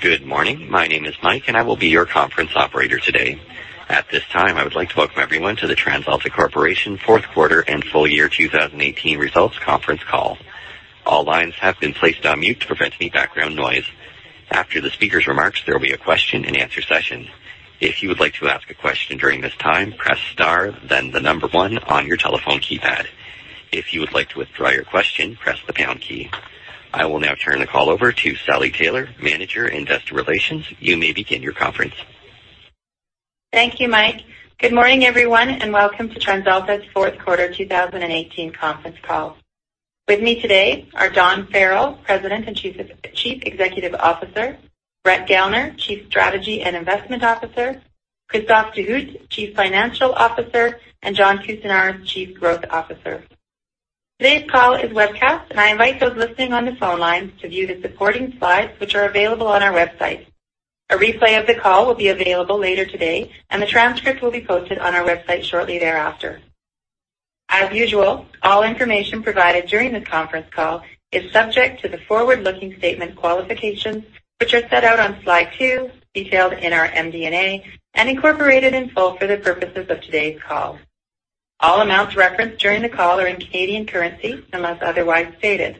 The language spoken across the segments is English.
Good morning. My name is Mike. I will be your conference operator today. At this time, I would like to welcome everyone to the TransAlta Corporation fourth quarter and full year 2018 results conference call. All lines have been placed on mute to prevent any background noise. After the speaker's remarks, there will be a question and answer session. If you would like to ask a question during this time, press star then the number one on your telephone keypad. If you would like to withdraw your question, press the pound key. I will now turn the call over to Sally Taylor, Manager, Investor Relations. You may begin your conference. Thank you, Mike. Good morning, everyone. Welcome to TransAlta's fourth quarter 2018 conference call. With me today are Dawn Farrell, President and Chief Executive Officer, Brett Gellner, Chief Strategy and Investment Officer, Christophe Dehout, Chief Financial Officer, and John Kousinioris, Chief Growth Officer. Today's call is webcast. I invite those listening on the phone lines to view the supporting slides, which are available on our website. A replay of the call will be available later today. The transcript will be posted on our website shortly thereafter. As usual, all information provided during this conference call is subject to the forward-looking statement qualifications, which are set out on slide two, detailed in our MD&A, and incorporated in full for the purposes of today's call. All amounts referenced during the call are in Canadian currency unless otherwise stated.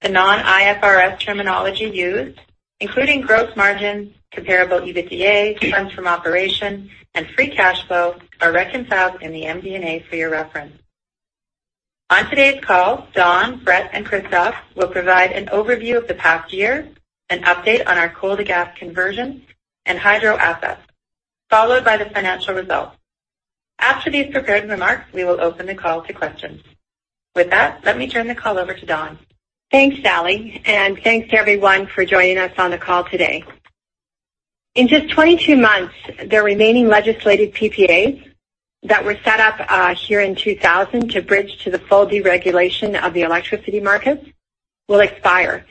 The non-IFRS terminology used, including gross margin, comparable EBITDA, funds from operation, and free cash flow, are reconciled in the MD&A for your reference. On today's call, Dawn, Brett, and Christophe will provide an overview of the past year, an update on our coal to gas conversion and hydro assets, followed by the financial results. After these prepared remarks, we will open the call to questions. With that, let me turn the call over to Dawn. Thanks, Sally. Thanks to everyone for joining us on the call today. In just 22 months, the remaining legislated PPAs that were set up here in 2000 to bridge to the full deregulation of the electricity markets will expire.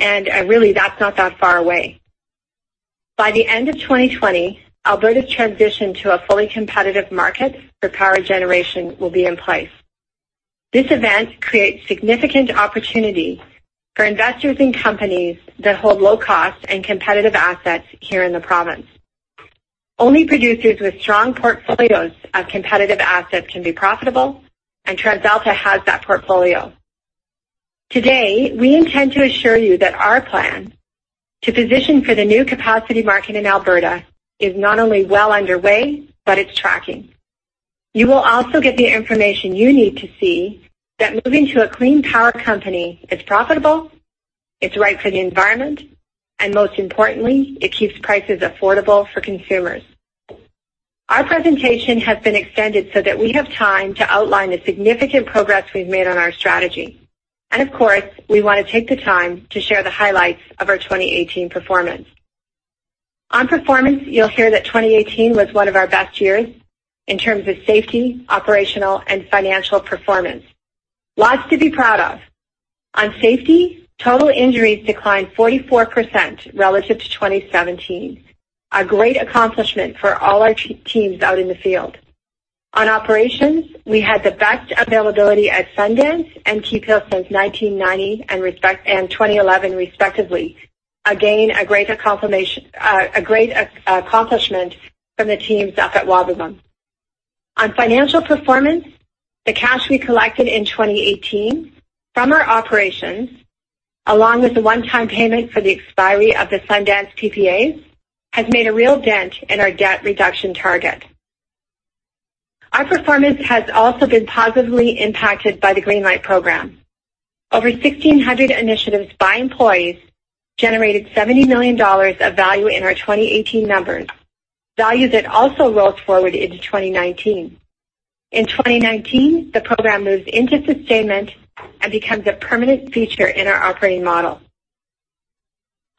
Really, that's not that far away. By the end of 2020, Alberta's transition to a fully competitive market for power generation will be in place. This event creates significant opportunity for investors and companies that hold low cost and competitive assets here in the province. Only producers with strong portfolios of competitive assets can be profitable. TransAlta has that portfolio. Today, we intend to assure you that our plan to position for the new capacity market in Alberta is not only well underway, but it's tracking. You will also get the information you need to see that moving to a clean power company is profitable, it's right for the environment, and most importantly, it keeps prices affordable for consumers. Our presentation has been extended so that we have time to outline the significant progress we've made on our strategy. Of course, we want to take the time to share the highlights of our 2018 performance. On performance, you'll hear that 2018 was one of our best years in terms of safety, operational, and financial performance. Lots to be proud of. On safety, total injuries declined 44% relative to 2017, a great accomplishment for all our teams out in the field. On operations, we had the best availability at Sundance and Keephills since 1990 and 2011, respectively. Again, a great accomplishment from the teams up at Wabamun. On financial performance, the cash we collected in 2018 from our operations, along with the one-time payment for the expiry of the Sundance PPAs, has made a real dent in our debt reduction target. Our performance has also been positively impacted by the Greenlight program. Over 1,600 initiatives by employees generated 70 million dollars of value in our 2018 numbers, value that also rolls forward into 2019. In 2019, the program moves into sustainment and becomes a permanent feature in our operating model.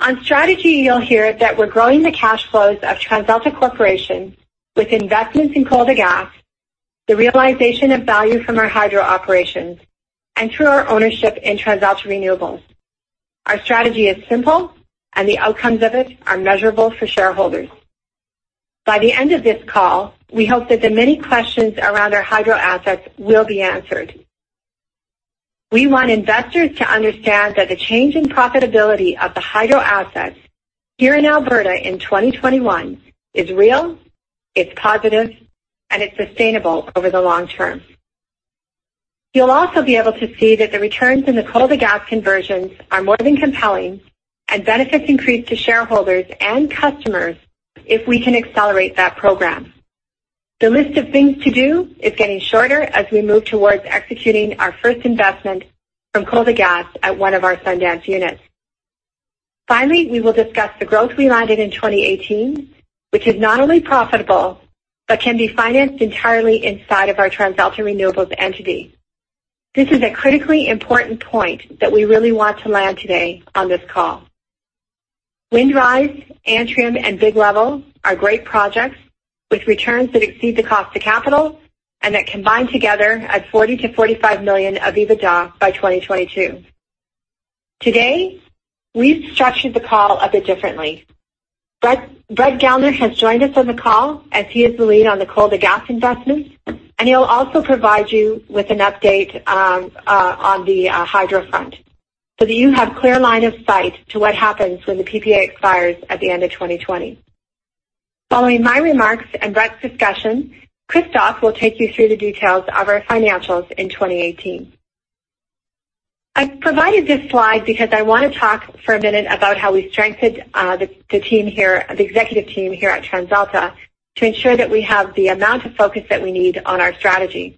On strategy, you'll hear that we're growing the cash flows of TransAlta Corporation with investments in coal to gas, the realization of value from our hydro operations, and through our ownership in TransAlta Renewables. Our strategy is simple and the outcomes of it are measurable for shareholders. By the end of this call, we hope that the many questions around our hydro assets will be answered. We want investors to understand that the change in profitability of the hydro assets here in Alberta in 2021 is real, it's positive, and it's sustainable over the long term. You'll also be able to see that the returns in the coal to gas conversions are more than compelling and benefits increase to shareholders and customers if we can accelerate that program. The list of things to do is getting shorter as we move towards executing our first investment from coal to gas at one of our Sundance units. Finally, we will discuss the growth we landed in 2018, which is not only profitable but can be financed entirely inside of our TransAlta Renewables entity. This is a critically important point that we really want to land today on this call. Windrise, Antrim, and Big Level are great projects with returns that exceed the cost of capital and that combine together at 40 million-45 million of EBITDA by 2022. Today, we've structured the call a bit differently. Brett Gellner has joined us on the call as he is the lead on the coal to gas investments, and he'll also provide you with an update on the hydro front so that you have clear line of sight to what happens when the PPA expires at the end of 2020. Following my remarks and Brett's discussion, Christophe will take you through the details of our financials in 2018. I provided this slide because I want to talk for a minute about how we strengthened the executive team here at TransAlta to ensure that we have the amount of focus that we need on our strategy.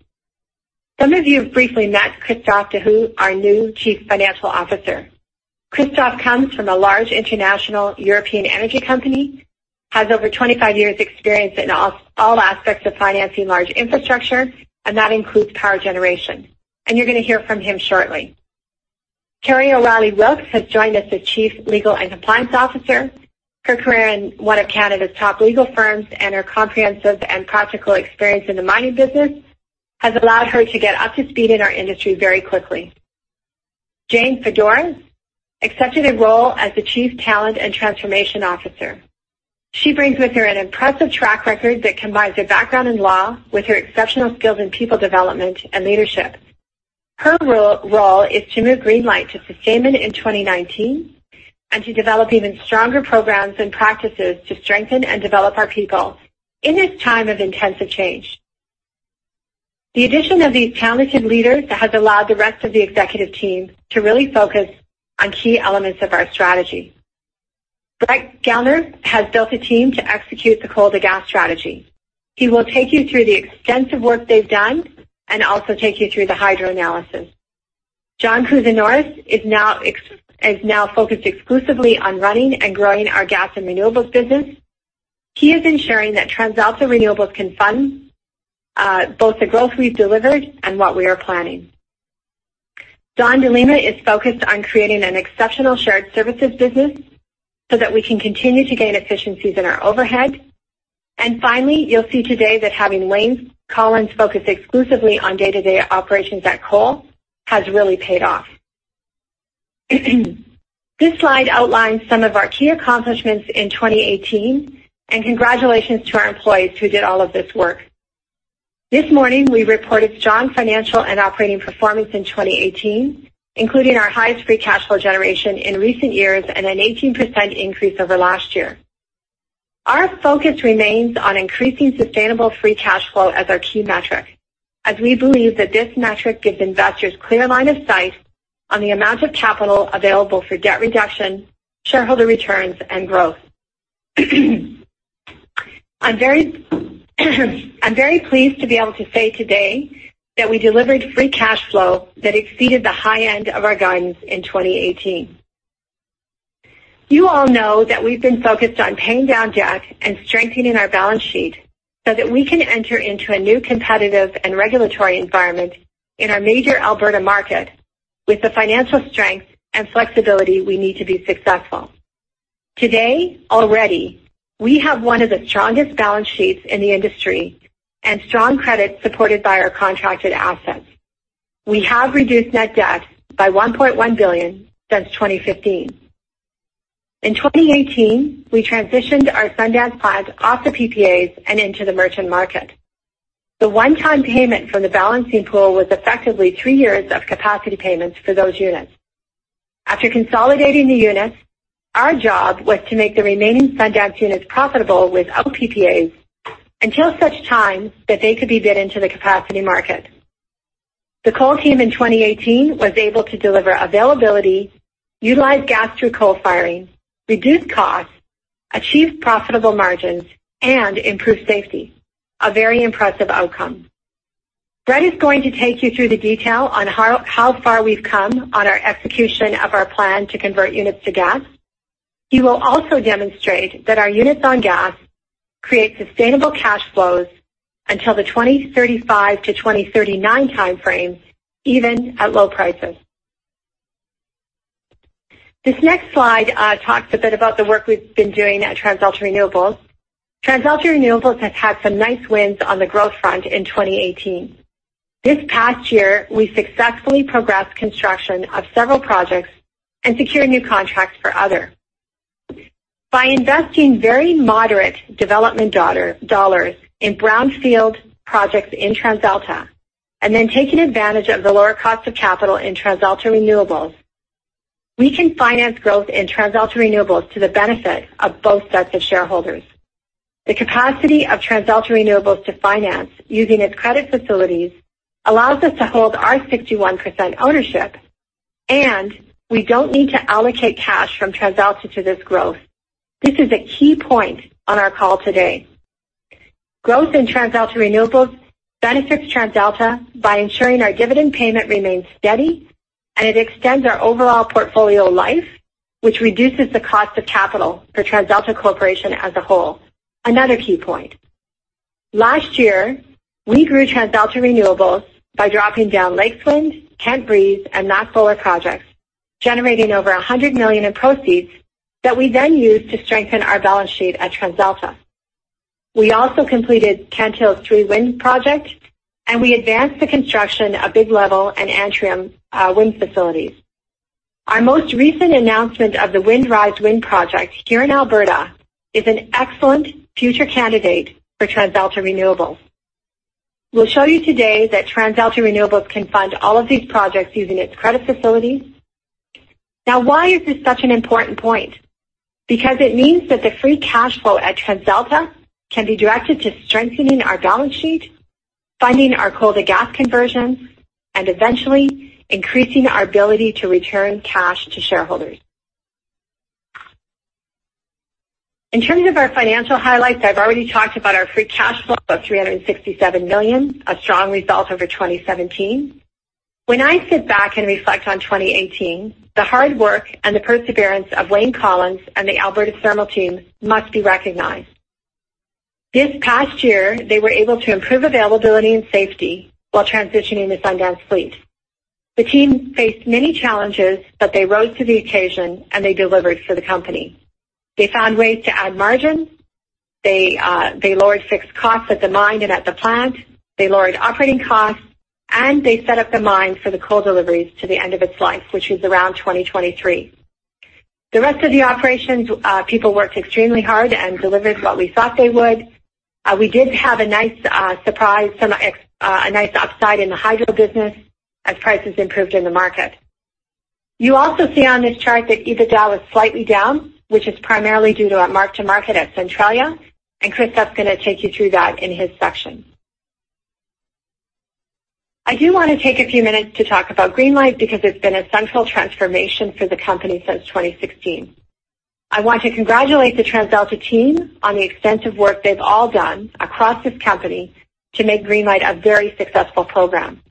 Some of you have briefly met Christophe Dehout, our new Chief Financial Officer. Christophe comes from a large international European energy company, has over 25 years experience in all aspects of financing large infrastructure, and that includes power generation. You are going to hear from him shortly. Kerry O'Reilly Wilks has joined as the Chief Legal and Compliance Officer. Her career in one of Canada's top legal firms and her comprehensive and practical experience in the mining business has allowed her to get up to speed in our industry very quickly. Jane Fedoretz accepted a role as the Chief Talent and Transformation Officer. She brings with her an impressive track record that combines a background in law with her exceptional skills in people development and leadership. Her role is to move Greenlight to sustainment in 2019 and to develop even stronger programs and practices to strengthen and develop our people in this time of intensive change. The addition of these talented leaders has allowed the rest of the executive team to really focus on key elements of our strategy. Brett Gellner has built a team to execute the coal-to-gas strategy. He will take you through the extensive work they have done and also take you through the hydro analysis. John Kousinioris is now focused exclusively on running and growing our gas and renewables business. He is ensuring that TransAlta Renewables can fund both the growth we have delivered and what we are planning. Dawn de Lima is focused on creating an exceptional shared services business so that we can continue to gain efficiencies in our overhead. Finally, you will see today that having Wayne Collins focus exclusively on day-to-day operations at coal has really paid off. This slide outlines some of our key accomplishments in 2018, and congratulations to our employees who did all of this work. This morning, we reported strong financial and operating performance in 2018, including our highest free cash flow generation in recent years and an 18% increase over last year. Our focus remains on increasing sustainable free cash flow as our key metric, as we believe that this metric gives investors clear line of sight on the amount of capital available for debt reduction, shareholder returns, and growth. I am very pleased to be able to say today that we delivered free cash flow that exceeded the high end of our guidance in 2018. You all know that we have been focused on paying down debt and strengthening our balance sheet so that we can enter into a new competitive and regulatory environment in our major Alberta market with the financial strength and flexibility we need to be successful. Today, already, we have one of the strongest balance sheets in the industry and strong credit supported by our contracted assets. We have reduced net debt by 1.1 billion since 2015. In 2018, we transitioned our Sundance plants off the PPAs and into the merchant market. The one-time payment from the Balancing Pool was effectively three years of capacity payments for those units. After consolidating the units, our job was to make the remaining Sundance units profitable without PPAs until such time that they could be bid into the capacity market. The coal team in 2018 was able to deliver availability, utilize gas through co-firing, reduce costs, achieve profitable margins, and improve safety. A very impressive outcome. Brett is going to take you through the detail on how far we've come on our execution of our plan to convert units to gas. He will also demonstrate that our units on gas create sustainable cash flows until the 2035 to 2039 time frame, even at low prices. This next slide talks a bit about the work we've been doing at TransAlta Renewables. TransAlta Renewables has had some nice wins on the growth front in 2018. This past year, we successfully progressed construction of several projects and secured new contracts for other. By investing very moderate development dollars in brownfield projects in TransAlta, then taking advantage of the lower cost of capital in TransAlta Renewables, we can finance growth in TransAlta Renewables to the benefit of both sets of shareholders. The capacity of TransAlta Renewables to finance using its credit facilities allows us to hold our 61% ownership. We don't need to allocate cash from TransAlta to this growth. This is a key point on our call today. Growth in TransAlta Renewables benefits TransAlta by ensuring our dividend payment remains steady. It extends our overall portfolio life, which reduces the cost of capital for TransAlta Corporation as a whole. Another key point. Last year, we grew TransAlta Renewables by dropping down Lakeswind, Kent Breeze, and Knott Solar projects, generating over 100 million in proceeds that we then used to strengthen our balance sheet at TransAlta. We also completed Kent Hills three wind projects. We advanced the construction of Big Level and Antrim Wind Facilities. Our most recent announcement of the Windrise Wind Project here in Alberta is an excellent future candidate for TransAlta Renewables. We'll show you today that TransAlta Renewables can fund all of these projects using its credit facilities. Why is this such an important point? It means that the free cash flow at TransAlta can be directed to strengthening our balance sheet, funding our coal to gas conversions, and eventually increasing our ability to return cash to shareholders. In terms of our financial highlights, I've already talked about our free cash flow of 367 million, a strong result over 2017. When I sit back and reflect on 2018, the hard work and the perseverance of Wayne Collins and the Alberta Thermal teams must be recognized. This past year, they were able to improve availability and safety while transitioning the Sundance fleet. The team faced many challenges. They rose to the occasion. They delivered for the company. They found ways to add margin. They lowered fixed costs at the mine and at the plant. They lowered operating costs. They set up the mine for the coal deliveries to the end of its life, which is around 2023. The rest of the operations, people worked extremely hard and delivered what we thought they would. We did have a nice surprise, a nice upside in the hydro business as prices improved in the market. You also see on this chart that EBITDA was slightly down, which is primarily due to our mark-to-market at Centralia. Chris is going to take you through that in his section. I do want to take a few minutes to talk about Greenlight because it's been a central transformation for the company since 2016. I want to congratulate the TransAlta team on the extensive work they've all done across this company to make Greenlight a very successful program.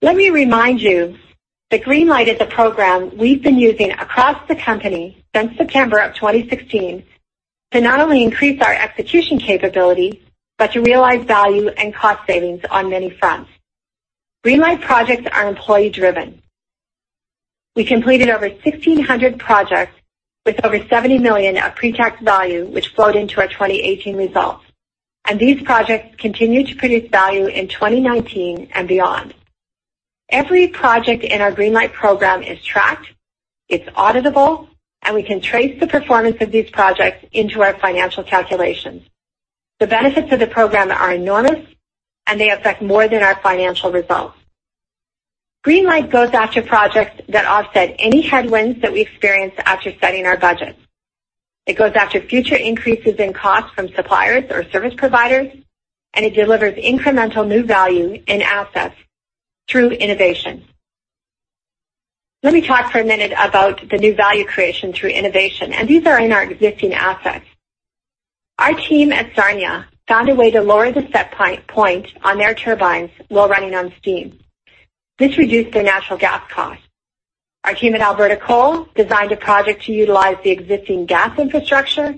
Let me remind you that Greenlight is a program we've been using across the company since September of 2016 to not only increase our execution capability, but to realize value and cost savings on many fronts. Greenlight projects are employee-driven. We completed over 1,600 projects with over 70 million of pre-tax value, which flowed into our 2018 results. These projects continue to produce value in 2019 and beyond. Every project in our Greenlight program is tracked, it's auditable, and we can trace the performance of these projects into our financial calculations. The benefits of the program are enormous, and they affect more than our financial results. Greenlight goes after projects that offset any headwinds that we experience after setting our budgets. It goes after future increases in costs from suppliers or service providers, and it delivers incremental new value in assets through innovation. Let me talk for a minute about the new value creation through innovation, and these are in our existing assets. Our team at Sarnia found a way to lower the set point on their turbines while running on steam. This reduced their natural gas costs. Our team at Alberta Coal designed a project to utilize the existing gas infrastructure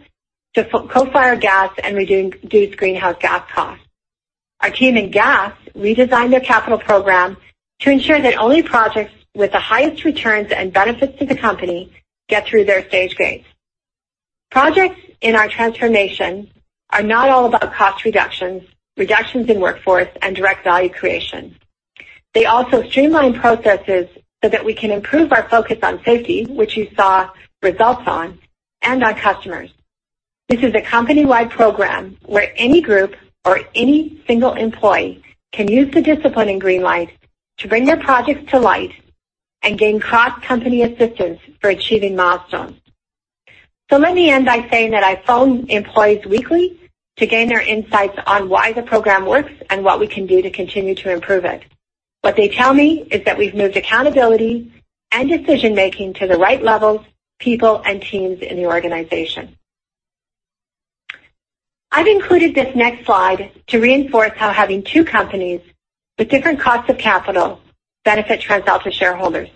to co-fire gas and reduce greenhouse gas costs. Our team in gas redesigned their capital program to ensure that only projects with the highest returns and benefits to the company get through their stage gates. Projects in our transformation are not all about cost reductions in workforce, and direct value creation. They also streamline processes so that we can improve our focus on safety, which you saw results on, and our customers. This is a company-wide program where any group or any single employee can use the discipline in Greenlight to bring their projects to light and gain cross-company assistance for achieving milestones. Let me end by saying that I phone employees weekly to gain their insights on why the program works and what we can do to continue to improve it. What they tell me is that we've moved accountability and decision-making to the right levels, people, and teams in the organization. I've included this next slide to reinforce how having two companies with different costs of capital benefit TransAlta shareholders.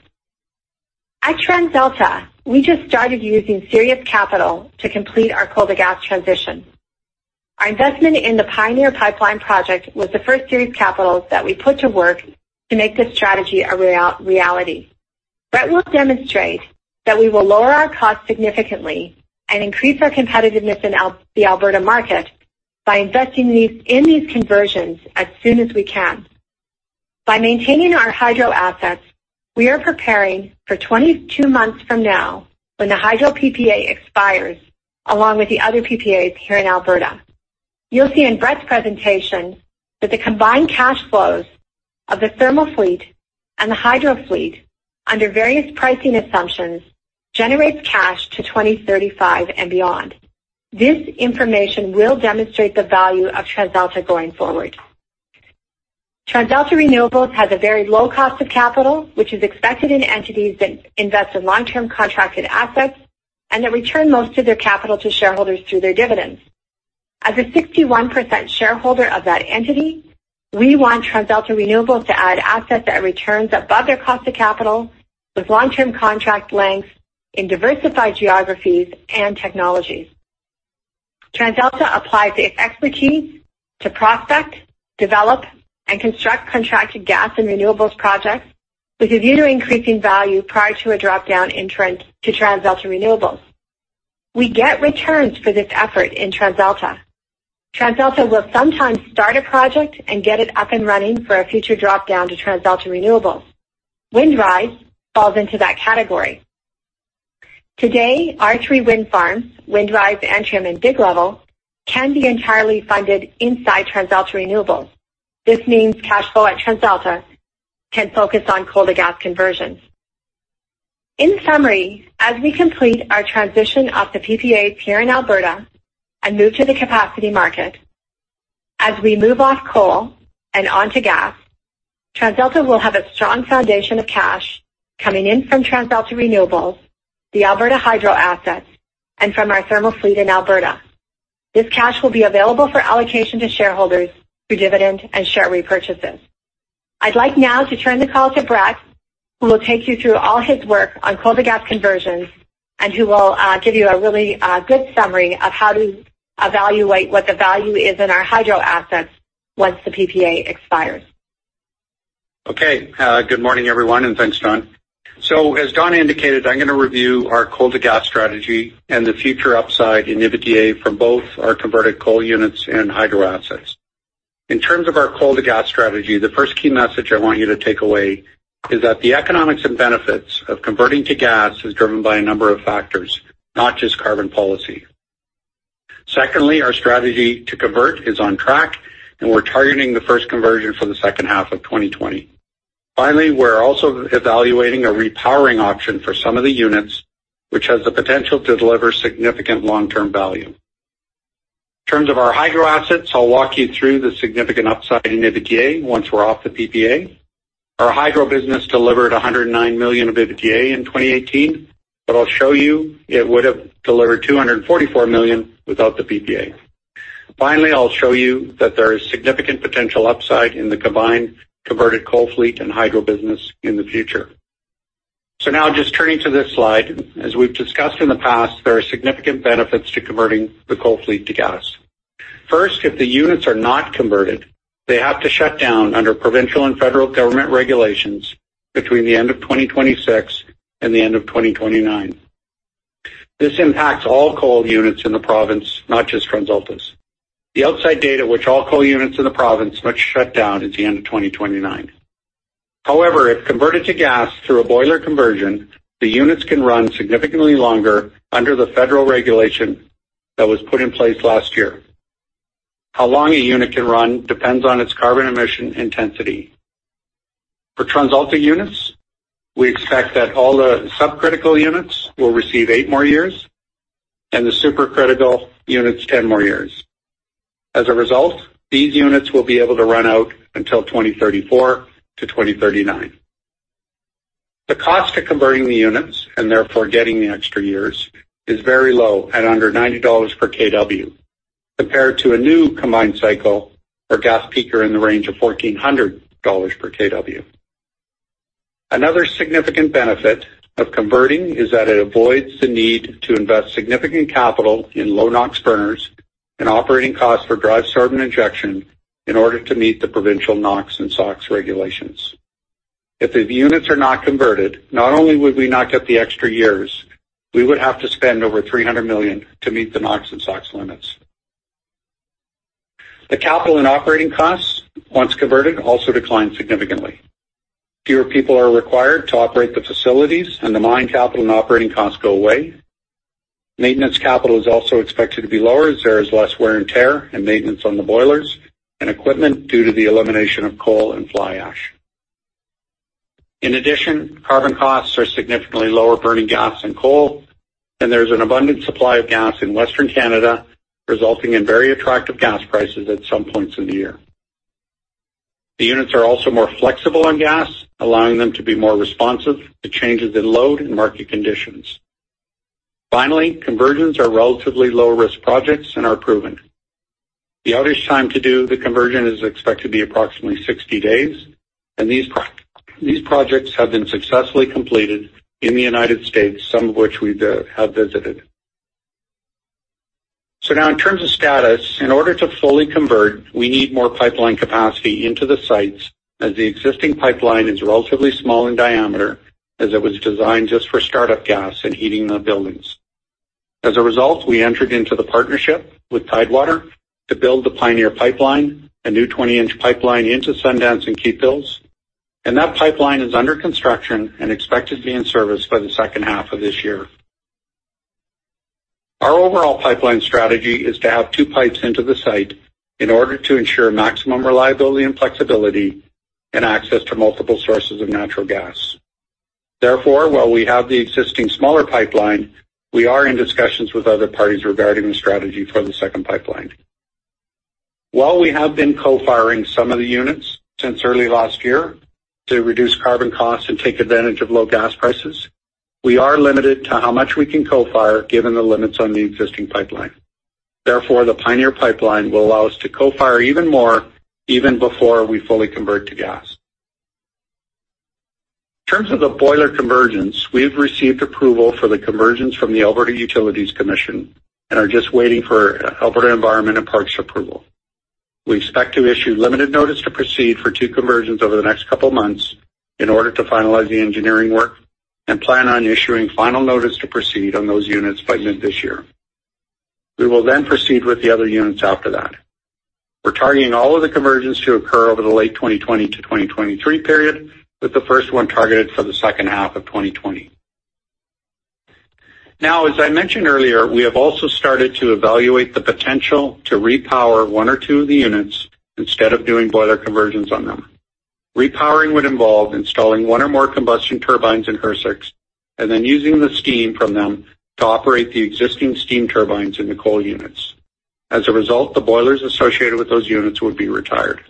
At TransAlta, we just started using serious capital to complete our coal to gas transition. Our investment in the Pioneer Pipeline project was the first series capital that we put to work to make this strategy a reality. Brett will demonstrate that we will lower our costs significantly and increase our competitiveness in the Alberta market by investing in these conversions as soon as we can. By maintaining our hydro assets, we are preparing for 22 months from now when the hydro PPA expires, along with the other PPAs here in Alberta. You'll see in Brett's presentation that the combined cash flows of the thermal fleet and the hydro fleet under various pricing assumptions generates cash to 2035 and beyond. This information will demonstrate the value of TransAlta going forward. TransAlta Renewables has a very low cost of capital, which is expected in entities that invest in long-term contracted assets and that return most of their capital to shareholders through their dividends. As a 61% shareholder of that entity, we want TransAlta Renewables to add assets at returns above their cost of capital with long-term contract lengths in diversified geographies and technologies. TransAlta applies its expertise to prospect, develop, and construct contracted gas and renewables projects with a view to increasing value prior to a drop-down entrance to TransAlta Renewables. We get returns for this effort in TransAlta. TransAlta will sometimes start a project and get it up and running for a future drop-down to TransAlta Renewables. Windrise falls into that category. Today, our three wind farms, Windrise, Antrim, and Big Level, can be entirely funded inside TransAlta Renewables. This means cash flow at TransAlta can focus on coal to gas conversions. In summary, as we complete our transition off the PPAs here in Alberta and move to the capacity market, as we move off coal and onto gas, TransAlta will have a strong foundation of cash coming in from TransAlta Renewables, the Alberta Hydro assets, and from our thermal fleet in Alberta. This cash will be available for allocation to shareholders through dividend and share repurchases. I'd like now to turn the call to Brett, who will take you through all his work on coal to gas conversions, and who will give you a really good summary of how to evaluate what the value is in our hydro assets once the PPA expires. Okay. Good morning, everyone, and thanks, Dawn. As Dawn indicated, I'm going to review our coal to gas strategy and the future upside in EBITDA for both our converted coal units and hydro assets. In terms of our coal to gas strategy, the first key message I want you to take away is that the economics and benefits of converting to gas is driven by a number of factors, not just carbon policy. Secondly, our strategy to convert is on track, and we're targeting the first conversion for the second half of 2020. Finally, we're also evaluating a repowering option for some of the units, which has the potential to deliver significant long-term value. In terms of our hydro assets, I'll walk you through the significant upside in EBITDA once we're off the PPA. Our hydro business delivered 109 million of EBITDA in 2018, I'll show you it would have delivered 244 million without the PPA. I'll show you that there is significant potential upside in the combined converted coal fleet and hydro business in the future. Just turning to this slide, as we've discussed in the past, there are significant benefits to converting the coal fleet to gas. First, if the units are not converted, they have to shut down under provincial and federal government regulations between the end of 2026 and the end of 2029. This impacts all coal units in the province, not just TransAlta's. The outside date at which all coal units in the province must shut down is the end of 2029. If converted to gas through a boiler conversion, the units can run significantly longer under the federal regulation that was put in place last year. How long a unit can run depends on its carbon emission intensity. For TransAlta units, we expect that all the subcritical units will receive eight more years and the supercritical units 10 more years. As a result, these units will be able to run out until 2034 to 2039. The cost of converting the units, and therefore getting the extra years, is very low at under 90 dollars per kW, compared to a new combined cycle or gas peaker in the range of 1,400 dollars per kW. Another significant benefit of converting is that it avoids the need to invest significant capital in low NOx burners and operating costs for dry sorbent injection in order to meet the provincial NOx and SOx regulations. If the units are not converted, not only would we not get the extra years, we would have to spend over 300 million to meet the NOx and SOx limits. The capital and operating costs, once converted, also decline significantly. Fewer people are required to operate the facilities, and the mine capital and operating costs go away. Maintenance capital is also expected to be lower as there is less wear and tear and maintenance on the boilers and equipment due to the elimination of coal and fly ash. Carbon costs are significantly lower burning gas than coal, and there's an abundant supply of gas in Western Canada, resulting in very attractive gas prices at some points in the year. The units are also more flexible on gas, allowing them to be more responsive to changes in load and market conditions. Conversions are relatively low-risk projects and are proven. The outage time to do the conversion is expected to be approximately 60 days, and these projects have been successfully completed in the U.S., some of which we have visited. In terms of status, in order to fully convert, we need more pipeline capacity into the sites as the existing pipeline is relatively small in diameter, as it was designed just for startup gas and heating the buildings. We entered into the partnership with Tidewater to build the Pioneer Pipeline, a new 20-inch pipeline into Sundance and Keephills, and that pipeline is under construction and expected to be in service by the second half of this year. Our overall pipeline strategy is to have two pipes into the site in order to ensure maximum reliability and flexibility and access to multiple sources of natural gas. Therefore, while we have the existing smaller pipeline, we are in discussions with other parties regarding the strategy for the second pipeline. While we have been co-firing some of the units since early last year to reduce carbon costs and take advantage of low gas prices, we are limited to how much we can co-fire given the limits on the existing pipeline. Therefore, the Pioneer Pipeline will allow us to co-fire even more even before we fully convert to gas. In terms of the boiler conversions, we have received approval for the conversions from the Alberta Utilities Commission and are just waiting for Alberta Environment and Parks approval. We expect to issue limited notice to proceed for two conversions over the next couple of months in order to finalize the engineering work and plan on issuing final notice to proceed on those units by mid this year. We will then proceed with the other units after that. We're targeting all of the conversions to occur over the late 2020-2023 period, with the first one targeted for the second half of 2020. Now, as I mentioned earlier, we have also started to evaluate the potential to repower one or two of the units instead of doing boiler conversions on them. Repowering would involve installing one or more combustion turbines in HRSGs and then using the steam from them to operate the existing steam turbines in the coal units. As a result, the boilers associated with those units would be retired.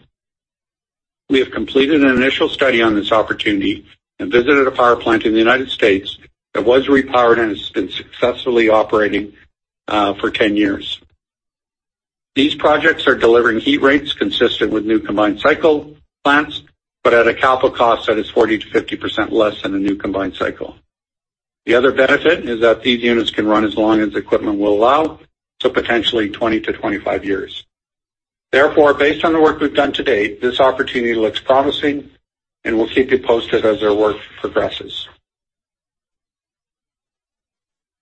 We have completed an initial study on this opportunity and visited a power plant in the U.S. that was repowered and has been successfully operating for 10 years. These projects are delivering heat rates consistent with new combined cycle plants, but at a capital cost that is 40%-50% less than a new combined cycle. The other benefit is that these units can run as long as equipment will allow, so potentially 20-25 years. Therefore, based on the work we've done to date, this opportunity looks promising, and we'll keep you posted as our work progresses.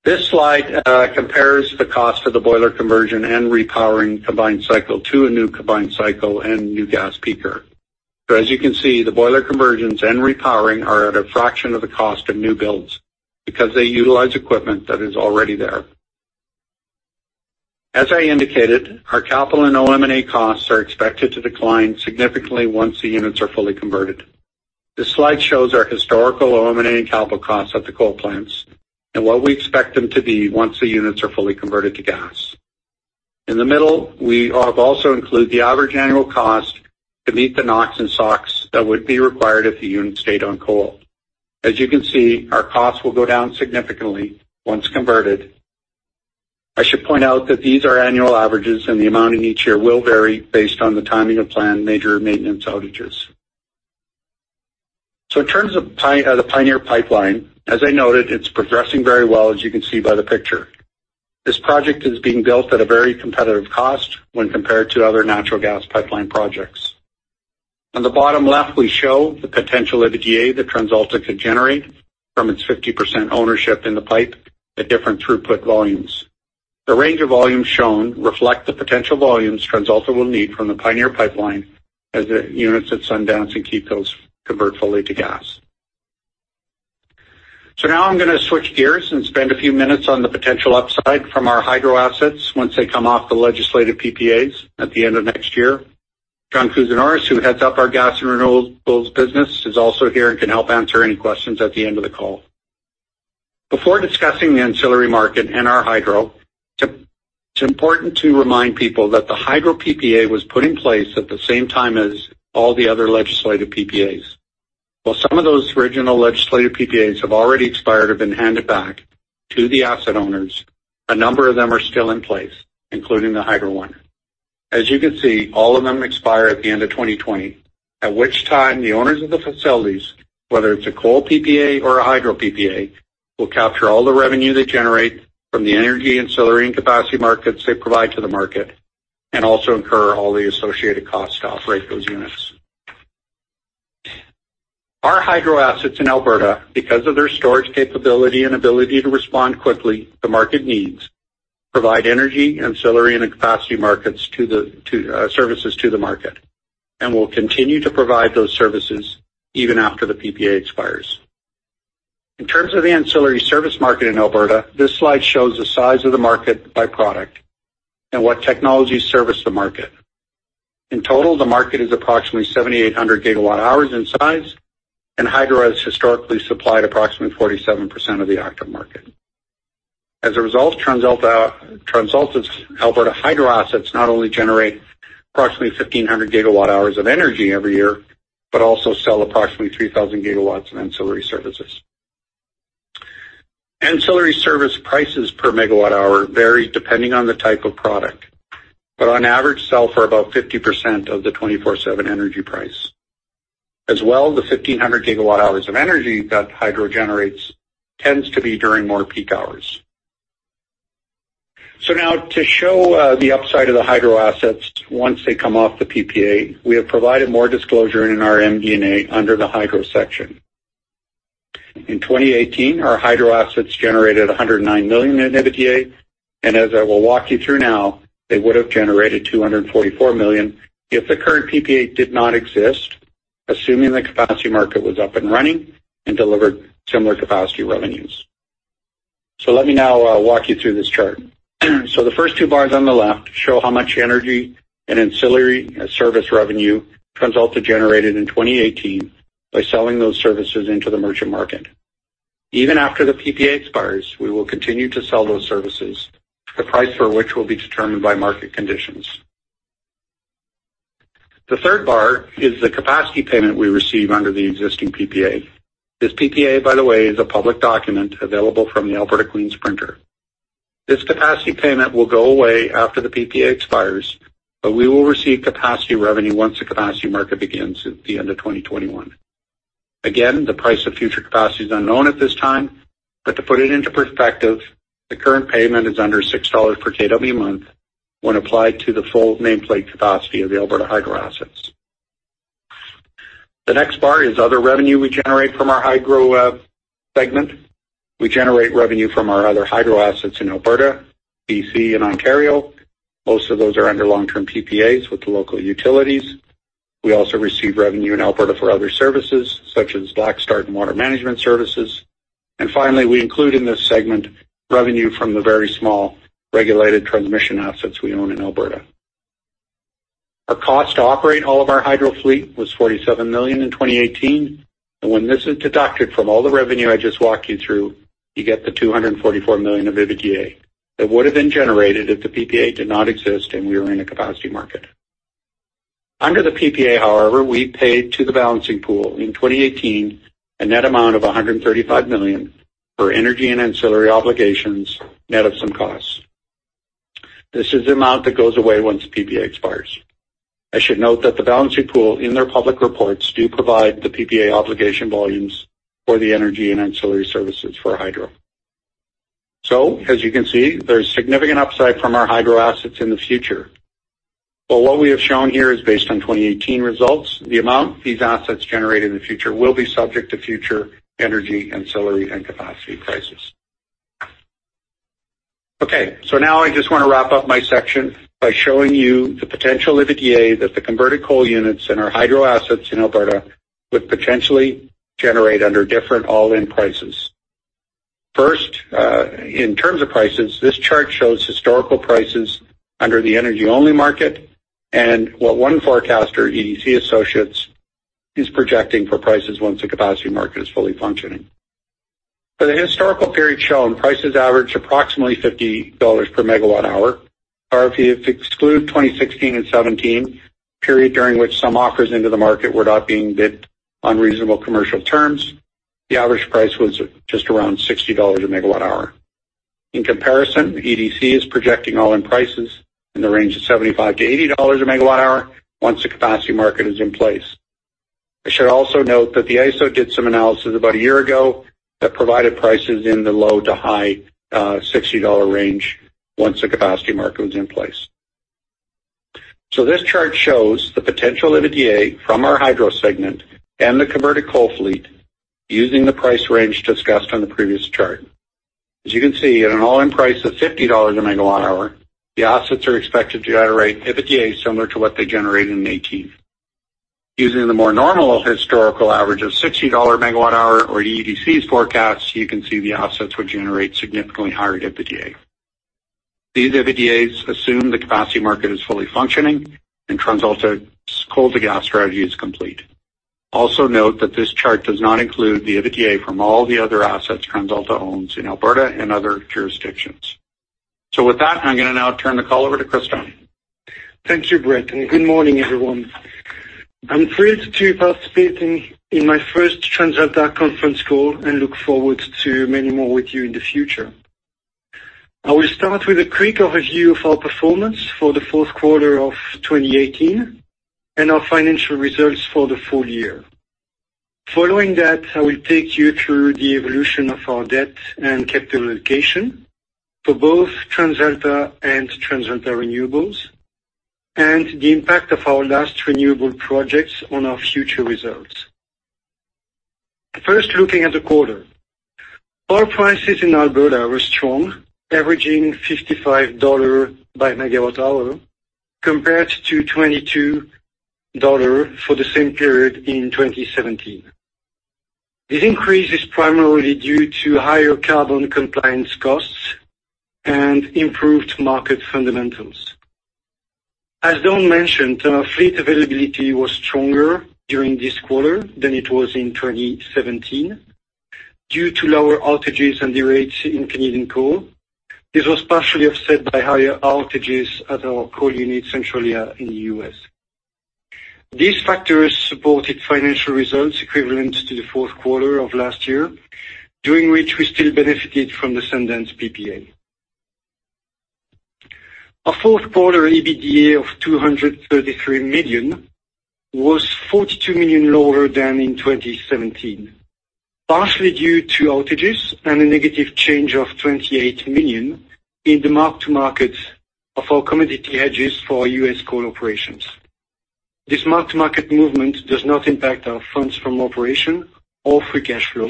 This slide compares the cost of the boiler conversion and repowering combined cycle to a new combined cycle and new gas peaker. As you can see, the boiler conversions and repowering are at a fraction of the cost of new builds because they utilize equipment that is already there. As I indicated, our capital and OM&A costs are expected to decline significantly once the units are fully converted. This slide shows our historical eliminating capital costs at the coal plants and what we expect them to be once the units are fully converted to gas. In the middle, we have also included the average annual cost to meet the NOx and SOx that would be required if the unit stayed on coal. As you can see, our costs will go down significantly once converted. I should point out that these are annual averages, and the amount in each year will vary based on the timing of planned major maintenance outages. In terms of the Pioneer Pipeline, as I noted, it's progressing very well as you can see by the picture. This project is being built at a very competitive cost when compared to other natural gas pipeline projects. On the bottom left, we show the potential EBITDA that TransAlta could generate from its 50% ownership in the pipe at different throughput volumes. The range of volumes shown reflect the potential volumes TransAlta will need from the Pioneer Pipeline as the units at Sundance and Keephills convert fully to gas. Now I'm going to switch gears and spend a few minutes on the potential upside from our hydro assets once they come off the legislative PPAs at the end of next year. John Kousinioris, who heads up our gas and renewables business, is also here and can help answer any questions at the end of the call. Before discussing the ancillary market and our hydro, it's important to remind people that the hydro PPA was put in place at the same time as all the other legislative PPAs. While some of those original legislative PPAs have already expired or been handed back to the asset owners, a number of them are still in place, including the hydro one. As you can see, all of them expire at the end of 2020, at which time the owners of the facilities, whether it's a coal PPA or a hydro PPA, will capture all the revenue they generate from the energy ancillary and capacity markets they provide to the market and also incur all the associated costs to operate those units. Our hydro assets in Alberta, because of their storage capability and ability to respond quickly to market needs, provide energy ancillary and capacity markets to services to the market and will continue to provide those services even after the PPA expires. In terms of the ancillary service market in Alberta, this slide shows the size of the market by product and what technologies service the market. In total, the market is approximately 7,800 gigawatt hours in size, and hydro has historically supplied approximately 47% of the active market. As a result, TransAlta's Alberta hydro assets not only generate approximately 1,500 gigawatt hours of energy every year but also sell approximately 3,000 gigawatts in ancillary services. Ancillary service prices per megawatt hour vary depending on the type of product, but on average, sell for about 50% of the 24/7 energy price. As well, the 1,500 gigawatt hours of energy that hydro generates tends to be during more peak hours. Now to show the upside of the hydro assets once they come off the PPA, we have provided more disclosure in our MD&A under the hydro section. In 2018, our hydro assets generated 109 million in EBITDA, and as I will walk you through now, they would have generated 244 million if the current PPA did not exist, assuming the capacity market was up and running and delivered similar capacity revenues. Let me now walk you through this chart. The first two bars on the left show how much energy and ancillary service revenue TransAlta generated in 2018 by selling those services into the merchant market. Even after the PPA expires, we will continue to sell those services, the price for which will be determined by market conditions. The third bar is the capacity payment we receive under the existing PPA. This PPA, by the way, is a public document available from the Alberta Queen's Printer. This capacity payment will go away after the PPA expires, but we will receive capacity revenue once the capacity market begins at the end of 2021. Again, the price of future capacity is unknown at this time, but to put it into perspective, the current payment is under 6 dollars per kW month when applied to the full nameplate capacity of the Alberta Hydro assets. The next bar is other revenue we generate from our Hydro segment. We generate revenue from our other Hydro assets in Alberta, B.C., and Ontario. Most of those are under long-term PPAs with the local utilities. We also receive revenue in Alberta for other services such as black start and Water Management services. Finally, we include in this segment revenue from the very small regulated transmission assets we own in Alberta. Our cost to operate all of our Hydro fleet was 47 million in 2018. When this is deducted from all the revenue I just walked you through, you get the 244 million of EBITDA that would have been generated if the PPA did not exist and we were in a capacity market. Under the PPA, however, we paid to the Balancing Pool in 2018 a net amount of 135 million for energy and ancillary obligations, net of some costs. This is the amount that goes away once the PPA expires. I should note that the Balancing Pool in their public reports do provide the PPA obligation volumes for the energy and ancillary services for Hydro. As you can see, there's significant upside from our Hydro assets in the future. What we have shown here is based on 2018 results. The amount these assets generate in the future will be subject to future energy, ancillary, and capacity prices. Now I just want to wrap up my section by showing you the potential EBITDA that the converted coal units and our Hydro assets in Alberta would potentially generate under different all-in prices. First, in terms of prices, this chart shows historical prices under the energy-only market and what one forecaster, EDC Associates, is projecting for prices once the capacity market is fully functioning. For the historical period shown, prices average approximately 50 dollars per megawatt hour. However, if you exclude 2016 and 2017, period during which some offers into the market were not being bid on reasonable commercial terms, the average price was just around 60 dollars a megawatt hour. In comparison, EDC is projecting all-in prices in the range of 75-80 dollars a megawatt hour once the capacity market is in place. I should also note that the ISO did some analysis about a year ago that provided prices in the low to high 60 dollar range once the capacity market was in place. This chart shows the potential EBITDA from our Hydro segment and the converted coal fleet using the price range discussed on the previous chart. As you can see, at an all-in price of 50 dollars a megawatt hour, the assets are expected to generate EBITDA similar to what they generated in 2018. Using the more normal historical average of 60 dollar a megawatt hour or EDC's forecast, you can see the assets would generate significantly higher EBITDA. These EBITDAs assume the capacity market is fully functioning and TransAlta's coal-to-gas strategy is complete. Also note that this chart does not include the EBITDA from all the other assets TransAlta owns in Alberta and other jurisdictions. With that, I am going to now turn the call over to Christophe. Thank you, Brett, and good morning, everyone. I am thrilled to participate in my first TransAlta conference call and look forward to many more with you in the future. I will start with a quick overview of our performance for the fourth quarter of 2018 and our financial results for the full year. Following that, I will take you through the evolution of our debt and capital allocation for both TransAlta and TransAlta Renewables and the impact of our last renewable projects on our future results. First, looking at the quarter. Oil prices in Alberta were strong, averaging 55 dollars by megawatt hour compared to 22 dollars for the same period in 2017. This increase is primarily due to higher carbon compliance costs and improved market fundamentals. As Dawn mentioned, our fleet availability was stronger during this quarter than it was in 2017 due to lower outages and derates in Canadian coal. This was partially offset by higher outages at our coal units centrally in the U.S. These factors supported financial results equivalent to the fourth quarter of last year, during which we still benefited from the Sundance PPA. Our fourth quarter EBITDA of 233 million was 42 million lower than in 2017, partially due to outages and a negative change of 28 million in the mark-to-market of our commodity hedges for our U.S. coal operations. This mark-to-market movement does not impact our funds from operation or free cash flow,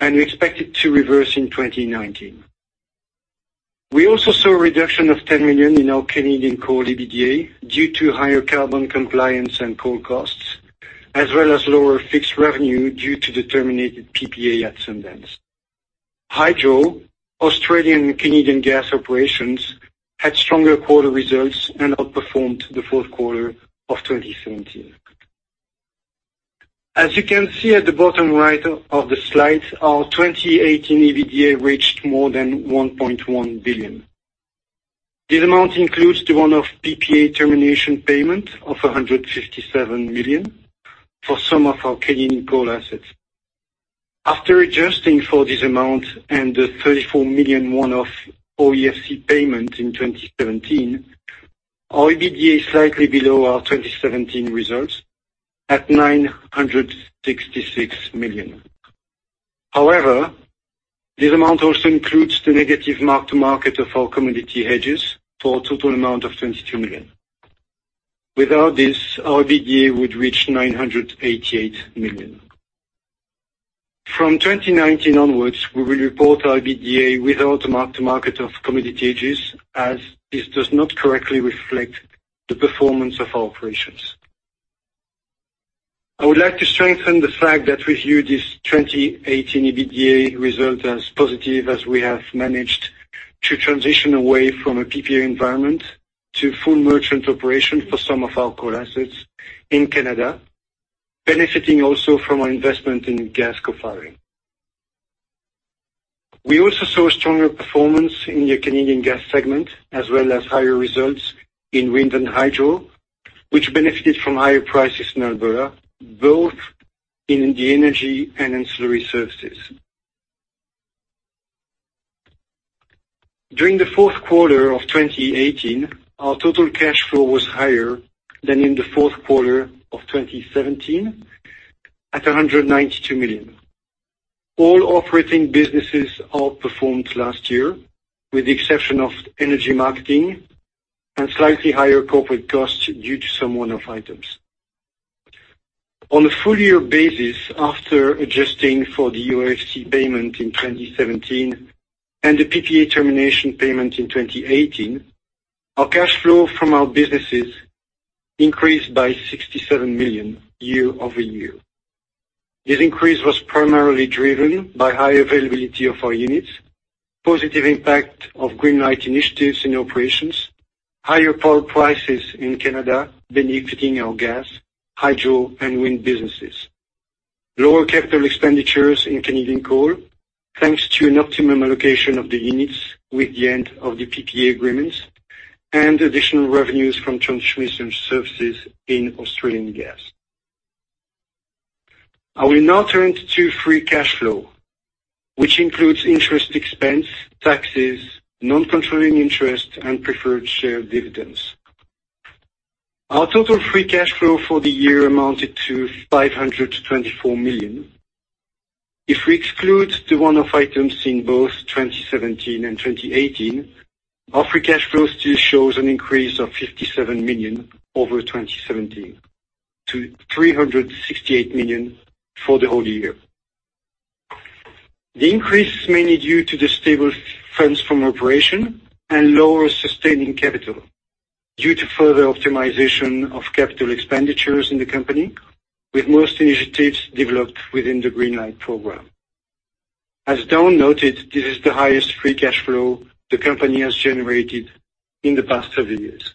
and we expect it to reverse in 2019. We also saw a reduction of 10 million in our Canadian coal EBITDA due to higher carbon compliance and coal costs, as well as lower fixed revenue due to the terminated PPA at Sundance. Hydro, Australian and Canadian gas operations had stronger quarter results and outperformed the fourth quarter of 2017. As you can see at the bottom right of the slide, our 2018 EBITDA reached more than 1.1 billion. This amount includes the one-off PPA termination payment of 157 million for some of our Canadian coal assets. After adjusting for this amount and the 34 million one-off OFED payment in 2017, our EBITDA is slightly below our 2017 results, at 966 million. However, this amount also includes the negative mark-to-market of our commodity hedges for a total amount of 22 million. Without this, our EBITDA would reach 988 million. From 2019 onwards, we will report our EBITDA without the mark-to-market of commodity hedges, as this does not correctly reflect the performance of our operations. I would like to strengthen the fact that we view this 2018 EBITDA result as positive, as we have managed to transition away from a PPA environment to full merchant operation for some of our coal assets in Canada, benefiting also from our investment in gas co-firing. We also saw stronger performance in the Canadian gas segment, as well as higher results in wind and hydro, which benefited from higher prices in Alberta, both in the energy and ancillary services. During the fourth quarter of 2018, our total cash flow was higher than in the fourth quarter of 2017, at 192 million. All operating businesses outperformed last year, with the exception of energy marketing and slightly higher corporate costs due to some one-off items. On a full year basis, after adjusting for the OFED payment in 2017 and the PPA termination payment in 2018, our cash flow from our businesses increased by 67 million year-over-year. This increase was primarily driven by high availability of our units, positive impact of Greenlight initiatives in operations, higher power prices in Canada benefiting our gas, hydro, and wind businesses, lower capital expenditures in Canadian coal, thanks to an optimum allocation of the units with the end of the PPA agreements, and additional revenues from transmission services in Australian gas. I will now turn to free cash flow, which includes interest expense, taxes, non-controlling interest, and preferred share dividends. Our total free cash flow for the year amounted to 524 million. If we exclude the one-off items in both 2017 and 2018, our free cash flow still shows an increase of 57 million over 2017 to 368 million for the whole year. The increase is mainly due to the stable funds from operation and lower sustaining capital due to further optimization of capital expenditures in the company, with most initiatives developed within the Greenlight program. As Dawn noted, this is the highest free cash flow the company has generated in the past several years.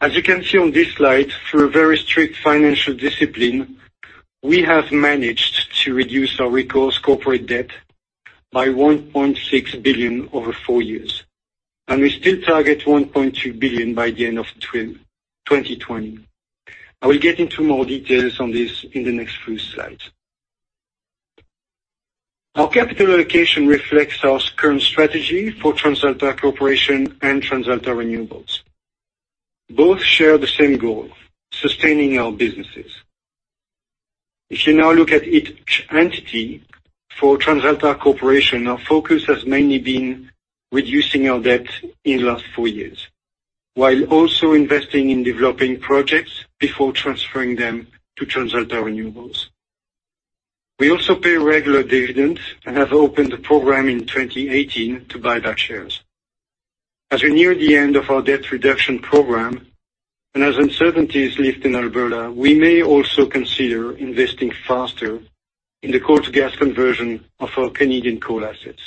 As you can see on this slide, through a very strict financial discipline, we have managed to reduce our recourse corporate debt by 1.6 billion over four years, and we still target 1.2 billion by the end of 2020. I will get into more details on this in the next few slides. Our capital allocation reflects our current strategy for TransAlta Corporation and TransAlta Renewables. Both share the same goal, sustaining our businesses. If you now look at each entity, for TransAlta Corporation, our focus has mainly been reducing our debt in last four years, while also investing in developing projects before transferring them to TransAlta Renewables. We also pay regular dividends and have opened a program in 2018 to buy back shares. As we near the end of our debt reduction program and as uncertainties lift in Alberta, we may also consider investing faster in the coal to gas conversion of our Canadian coal assets.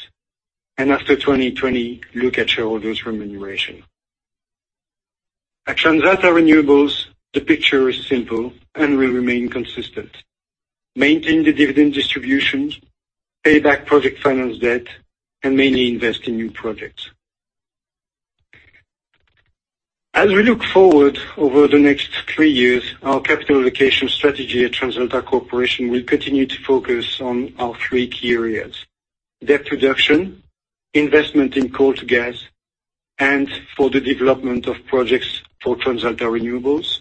After 2020, look at shareholders remuneration. At TransAlta Renewables, the picture is simple and will remain consistent. Maintain the dividend distributions, pay back project finance debt, and mainly invest in new projects. As we look forward over the next three years, our capital allocation strategy at TransAlta Corporation will continue to focus on our three key areas: debt reduction, investment in coal-to-gas, and for the development of projects for TransAlta Renewables,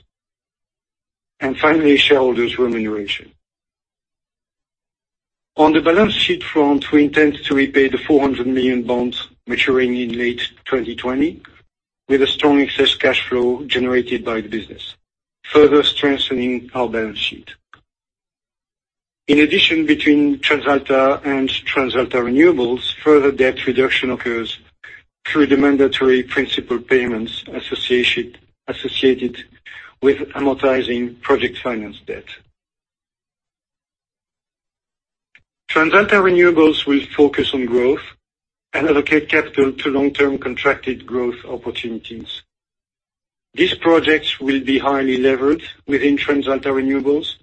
and finally, shareholders' remuneration. On the balance sheet front, we intend to repay the 400 million bonds maturing in late 2020 with a strong excess cash flow generated by the business, further strengthening our balance sheet. In addition, between TransAlta and TransAlta Renewables, further debt reduction occurs through the mandatory principal payments associated with amortizing project finance debt. TransAlta Renewables will focus on growth and allocate capital to long-term contracted growth opportunities. These projects will be highly levered within TransAlta Renewables,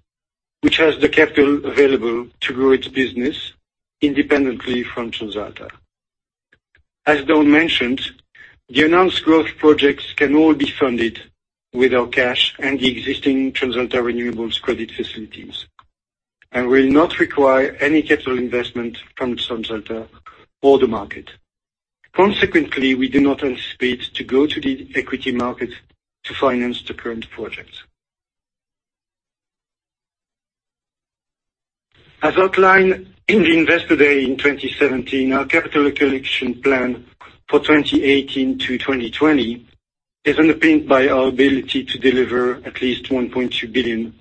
which has the capital available to grow its business independently from TransAlta. As Dawn mentioned, the announced growth projects can all be funded with our cash and the existing TransAlta Renewables credit facilities and will not require any capital investment from TransAlta or the market. Consequently, we do not anticipate to go to the equity market to finance the current projects. As outlined in the Investor Day in 2017, our capital allocation plan for 2018 to 2020 is underpinned by our ability to deliver at least 1.2 billion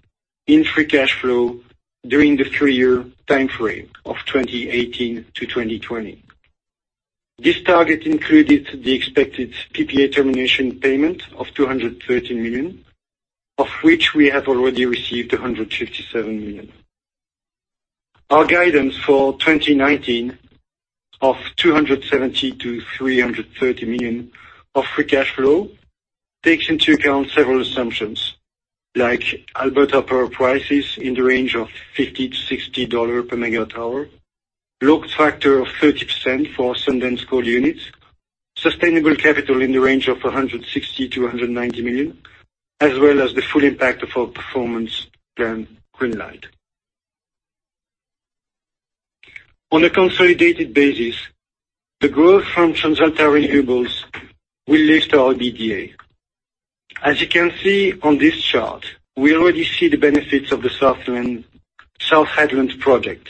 in free cash flow during the three-year timeframe of 2018 to 2020. This target included the expected PPA termination payment of 213 million, of which we have already received 157 million. Our guidance for 2019 of 270 million-330 million of free cash flow takes into account several assumptions, like Alberta power prices in the range of 50-60 dollars per megawatt hour, load factor of 30% for Sundance coal units, sustainable capital in the range of 160 million-190 million, as well as the full impact of our performance plan, Greenlight. On a consolidated basis, the growth from TransAlta Renewables will lift our EBITDA. As you can see on this chart, we already see the benefits of the South Hedland project.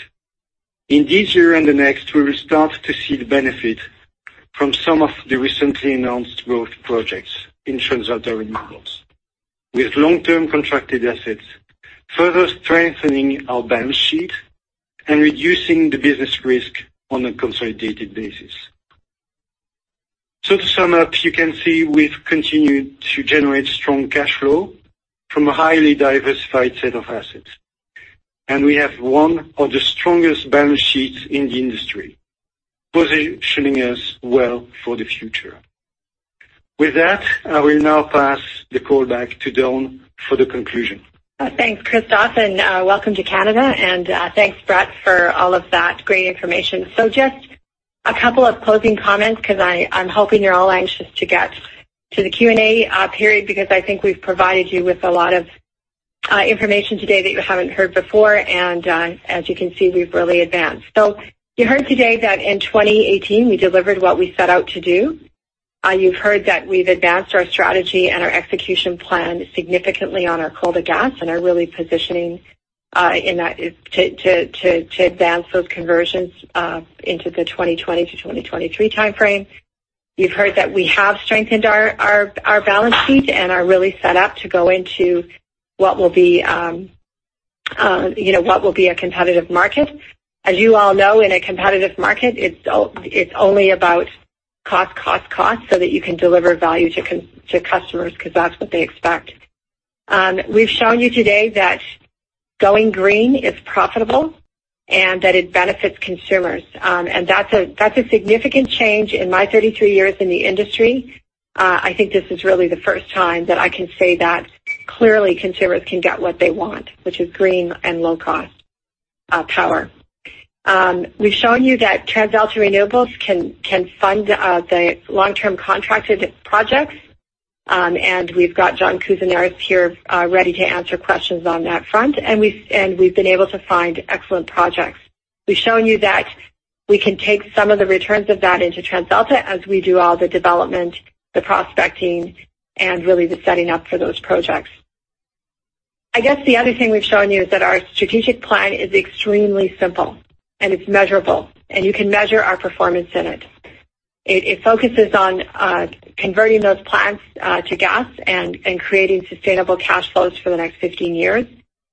In this year and the next, we will start to see the benefit from some of the recently announced growth projects in TransAlta Renewables. With long-term contracted assets further strengthening our balance sheet and reducing the business risk on a consolidated basis. To sum up, you can see we've continued to generate strong cash flow from a highly diversified set of assets, and we have one of the strongest balance sheets in the industry, positioning us well for the future. With that, I will now pass the call back to Dawn for the conclusion. Thanks, Christophe, and welcome to Canada. Thanks, Brett, for all of that great information. Just a couple of closing comments, because I'm hoping you're all anxious to get to the Q&A period, because I think we've provided you with a lot of information today that you haven't heard before. As you can see, we've really advanced. You heard today that in 2018, we delivered what we set out to do. You've heard that we've advanced our strategy and our execution plan significantly on our coal to gas and are really positioning to advance those conversions into the 2020-2023 timeframe. You've heard that we have strengthened our balance sheet and are really set up to go into what will be a competitive market. As you all know, in a competitive market, it's only about cost, cost, so that you can deliver value to customers, because that's what they expect. We've shown you today that going green is profitable and that it benefits consumers. That's a significant change in my 33 years in the industry. I think this is really the first time that I can say that clearly consumers can get what they want, which is green and low-cost power. We've shown you that TransAlta Renewables can fund the long-term contracted projects. We've got John Kousinioris here ready to answer questions on that front. We've been able to find excellent projects. We've shown you that we can take some of the returns of that into TransAlta as we do all the development, the prospecting, and really the setting up for those projects. I guess the other thing we've shown you is that our strategic plan is extremely simple and it's measurable, and you can measure our performance in it. It focuses on converting those plants to gas and creating sustainable cash flows for the next 15 years.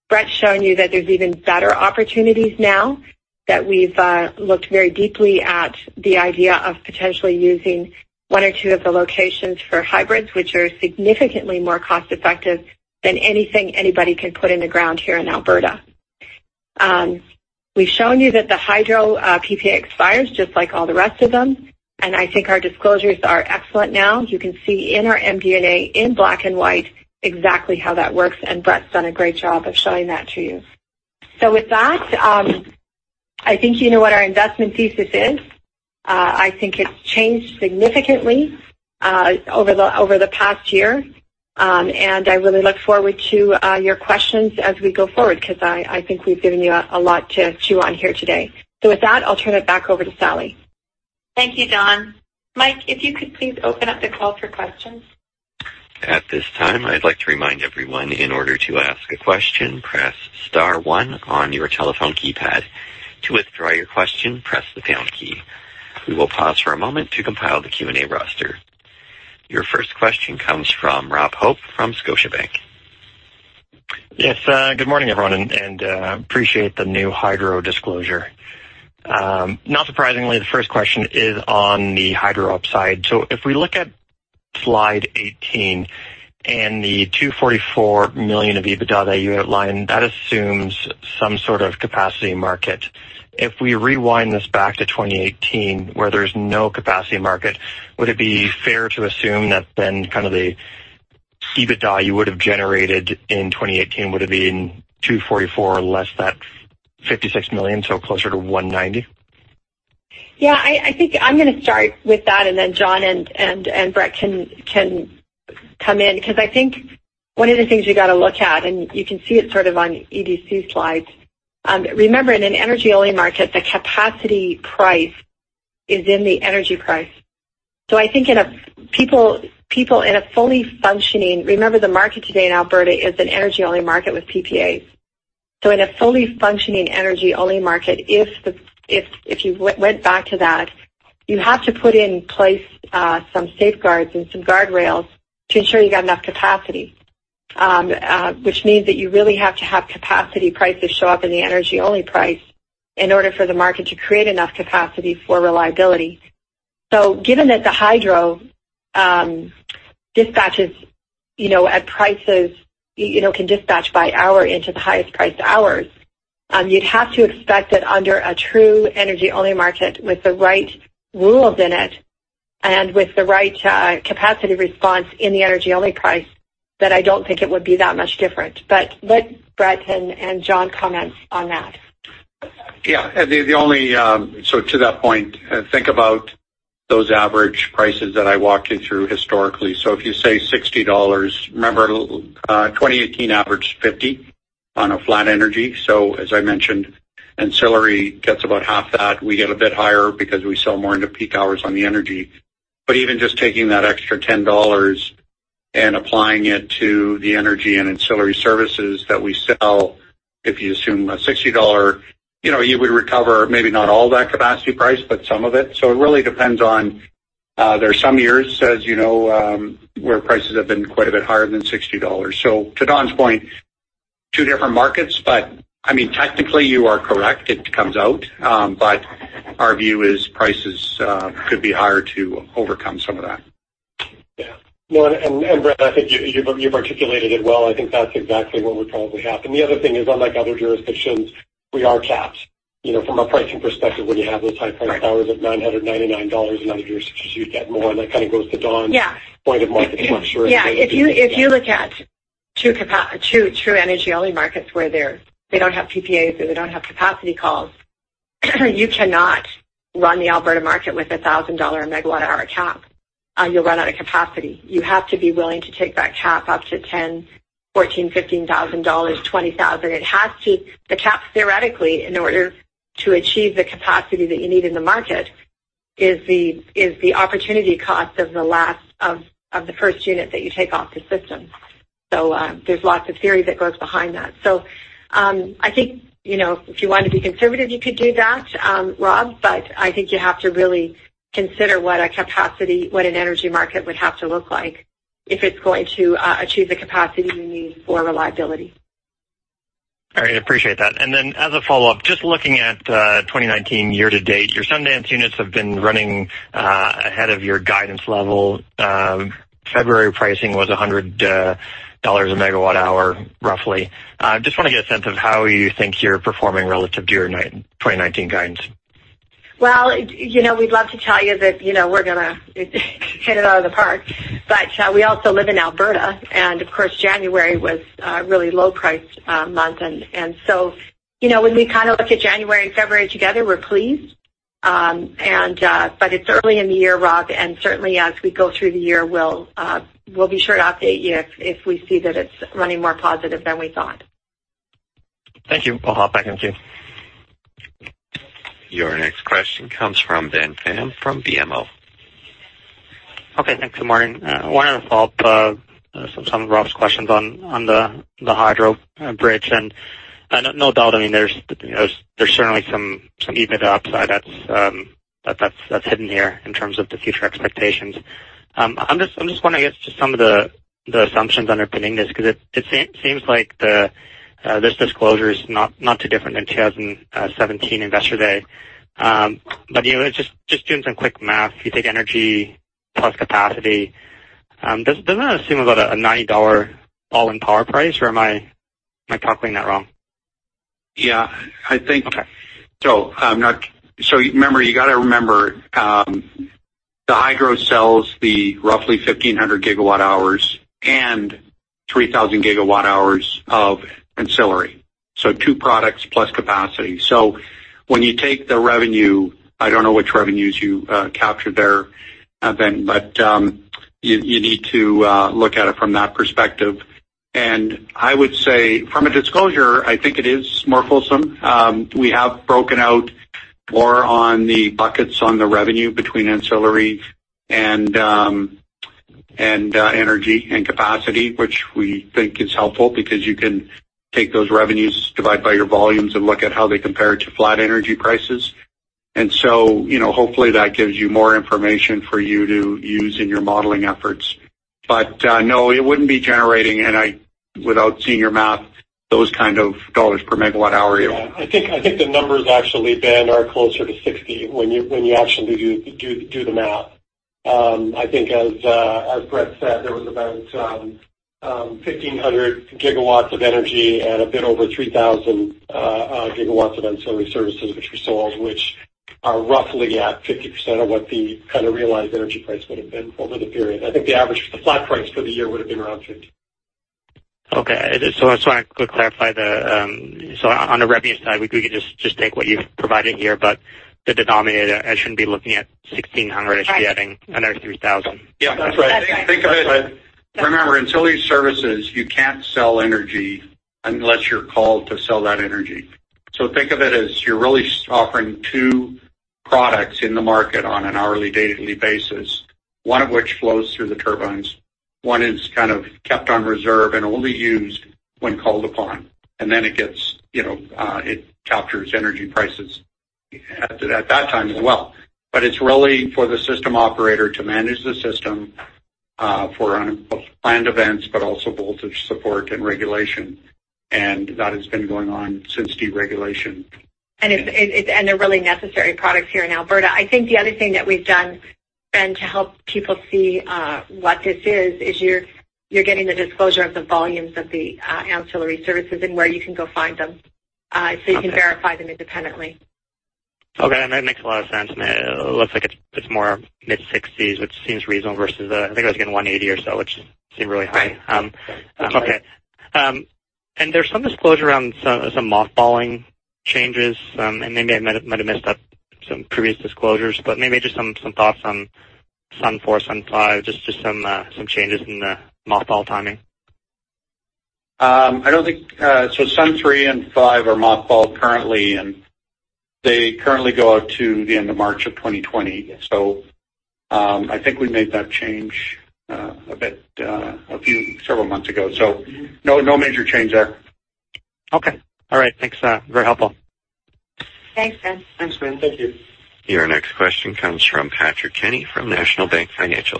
Brett's shown you that there's even better opportunities now that we've looked very deeply at the idea of potentially using one or two of the locations for hybrids, which are significantly more cost-effective than anything anybody can put in the ground here in Alberta. We've shown you that the hydro PPA expires just like all the rest of them, and I think our disclosures are excellent now. You can see in our MD&A in black and white exactly how that works, and Brett's done a great job of showing that to you. With that, I think you know what our investment thesis is. I think it's changed significantly over the past year, and I really look forward to your questions as we go forward, because I think we've given you a lot to chew on here today. With that, I'll turn it back over to Sally. Thank you, Dawn. Mike, if you could please open up the call for questions. At this time, I'd like to remind everyone, in order to ask a question, press star one on your telephone keypad. To withdraw your question, press the pound key. We will pause for a moment to compile the Q&A roster. Your first question comes from Robert Hope from Scotiabank. Yes. Good morning, everyone. Appreciate the new hydro disclosure. Not surprisingly, the first question is on the hydro upside. If we look at slide 18 and the 244 million of EBITDA that you outlined, that assumes some sort of capacity market. If we rewind this back to 2018, where there's no capacity market, would it be fair to assume that EBITDA you would have generated in 2018 would have been 244 less that 56 million, so closer to 190? I think I'm going to start with that, and then John and Brett can come in, because I think one of the things you got to look at, and you can see it on EDC Associates' slides. Remember, in an energy-only market, the capacity price is in the energy price. Remember, the market today in Alberta is an energy-only market with PPAs. In a fully functioning energy-only market, if you went back to that, you have to put in place some safeguards and some guardrails to ensure you got enough capacity, which means that you really have to have capacity prices show up in the energy-only price in order for the market to create enough capacity for reliability. Given that the hydro dispatches at prices, can dispatch by hour into the highest priced hours, you'd have to expect that under a true energy-only market with the right rules in it and with the right capacity response in the energy-only price, that I don't think it would be that much different. Let Brett and John comment on that. To that point, think about those average prices that I walked you through historically. If you say 60 dollars, remember, 2018 averaged 50 on a flat energy. As I mentioned, ancillary gets about half that. We get a bit higher because we sell more into peak hours on the energy. Even just taking that extra 10 dollars and applying it to the energy and ancillary services that we sell, if you assume a 60 dollar, you would recover maybe not all that capacity price, but some of it. It really depends on, there are some years where prices have been quite a bit higher than 60 dollars. To Dawn's point, two different markets, I mean, technically, you are correct. It comes out. Our view is prices could be higher to overcome some of that. Yeah. No, Brett, I think you've articulated it well. I think that's exactly what would probably happen. The other thing is, unlike other jurisdictions, we are capped. From a pricing perspective, when you have those high price hours of 999 dollars, in other jurisdictions, you'd get more, and that kind of goes to Dawn's- Yeah point of market structure. Yeah. If you look at true energy-only markets where they don't have PPAs or they don't have capacity calls, you cannot run the Alberta market with a CAD 1,000 a megawatt-hour cap. You'll run out of capacity. You have to be willing to take that cap up to 10,000, 14,000, 15,000 dollars, 20,000. The cap theoretically, in order to achieve the capacity that you need in the market, is the opportunity cost of the first unit that you take off the system. There's lots of theory that goes behind that. I think, if you want to be conservative, you could do that, Rob, but I think you have to really consider what a capacity, what an energy market would have to look like if it's going to achieve the capacity you need for reliability. All right. Appreciate that. As a follow-up, just looking at 2019 year-to-date, your Sundance units have been running ahead of your guidance level. February pricing was 100 dollars a megawatt-hour, roughly. Just want to get a sense of how you think you're performing relative to your 2019 guidance. Well, we'd love to tell you that we're going to hit it out of the park, but we also live in Alberta, and of course, January was a really low-priced month. When we look at January and February together, we're pleased. It's early in the year, Rob, and certainly, as we go through the year, we'll be sure to update you if we see that it's running more positive than we thought. Thank you. I'll hop back in queue. Your next question comes from Ben Pham from BMO. Okay. Thanks. Good morning. I want to follow up some of Rob's questions on the hydro bridge. No doubt, there's certainly some EBITDA upside that's hidden here in terms of the future expectations. I'm just wondering, I guess, just some of the assumptions underpinning this, because it seems like this disclosure is not too different than 2017 Investor Day. Just doing some quick math, if you take energy plus capacity, doesn't that assume about a 90 dollar all-in power price, or am I calculating that wrong? Yeah. Okay. Remember, you got to remember, the hydro sells the roughly 1,500 gigawatt hours and 3,000 gigawatt hours of ancillary. Two products plus capacity. When you take the revenue, I don't know which revenues you captured there, Ben, but you need to look at it from that perspective. I would say from a disclosure, I think it is more fulsome. We have broken out more on the buckets on the revenue between ancillary and energy and capacity, which we think is helpful because you can take those revenues, divide by your volumes, and look at how they compare to flat energy prices. Hopefully, that gives you more information for you to use in your modeling efforts. No, it wouldn't be generating, and without seeing your math, those kind of CAD per megawatt hour. I think the numbers actually, Ben, are closer to 60 when you actually do the math. I think as Brett said, there was about 1,500 gigawatts of energy and a bit over 3,000 gigawatts of ancillary services, which we sold, which Are roughly at 50% of what the realized energy price would have been over the period. I think the average, the flat price for the year would have been around 50. I just want to quickly clarify. On the revenue side, we could just take what you've provided here, but the denominator, I shouldn't be looking at 1,600. Right adding another 3,000. Yeah, that's right. That's right. Think of it. Remember, ancillary services, you can't sell energy unless you're called to sell that energy. Think of it as you're really offering two products in the market on an hourly, daily basis, one of which flows through the turbines. One is kept on reserve and only used when called upon, and then it captures energy prices at that time as well. It's really for the system operator to manage the system for both planned events, but also voltage support and regulation. That has been going on since deregulation. They're really necessary products here in Alberta. I think the other thing that we've done, Ben, to help people see what this is you're getting the disclosure of the volumes of the ancillary services and where you can go find them. Okay You can verify them independently. Okay. That makes a lot of sense. It looks like it's more mid-60s, which seems reasonable versus, I think I was getting 180 or so, which seemed really high. Right. Okay. There's some disclosure around some mothballing changes. Maybe I might have messed up some previous disclosures, but maybe just some thoughts on Sun 4, Sun 5, just some changes in the mothball timing. Sun 3 and 5 are mothballed currently, and they currently go out to the end of March of 2020. I think we made that change several months ago. No major change there. Okay. All right. Thanks. Very helpful. Thanks, Ben. Thanks, Ben. Thank you. Your next question comes from Patrick Kenny from National Bank Financial.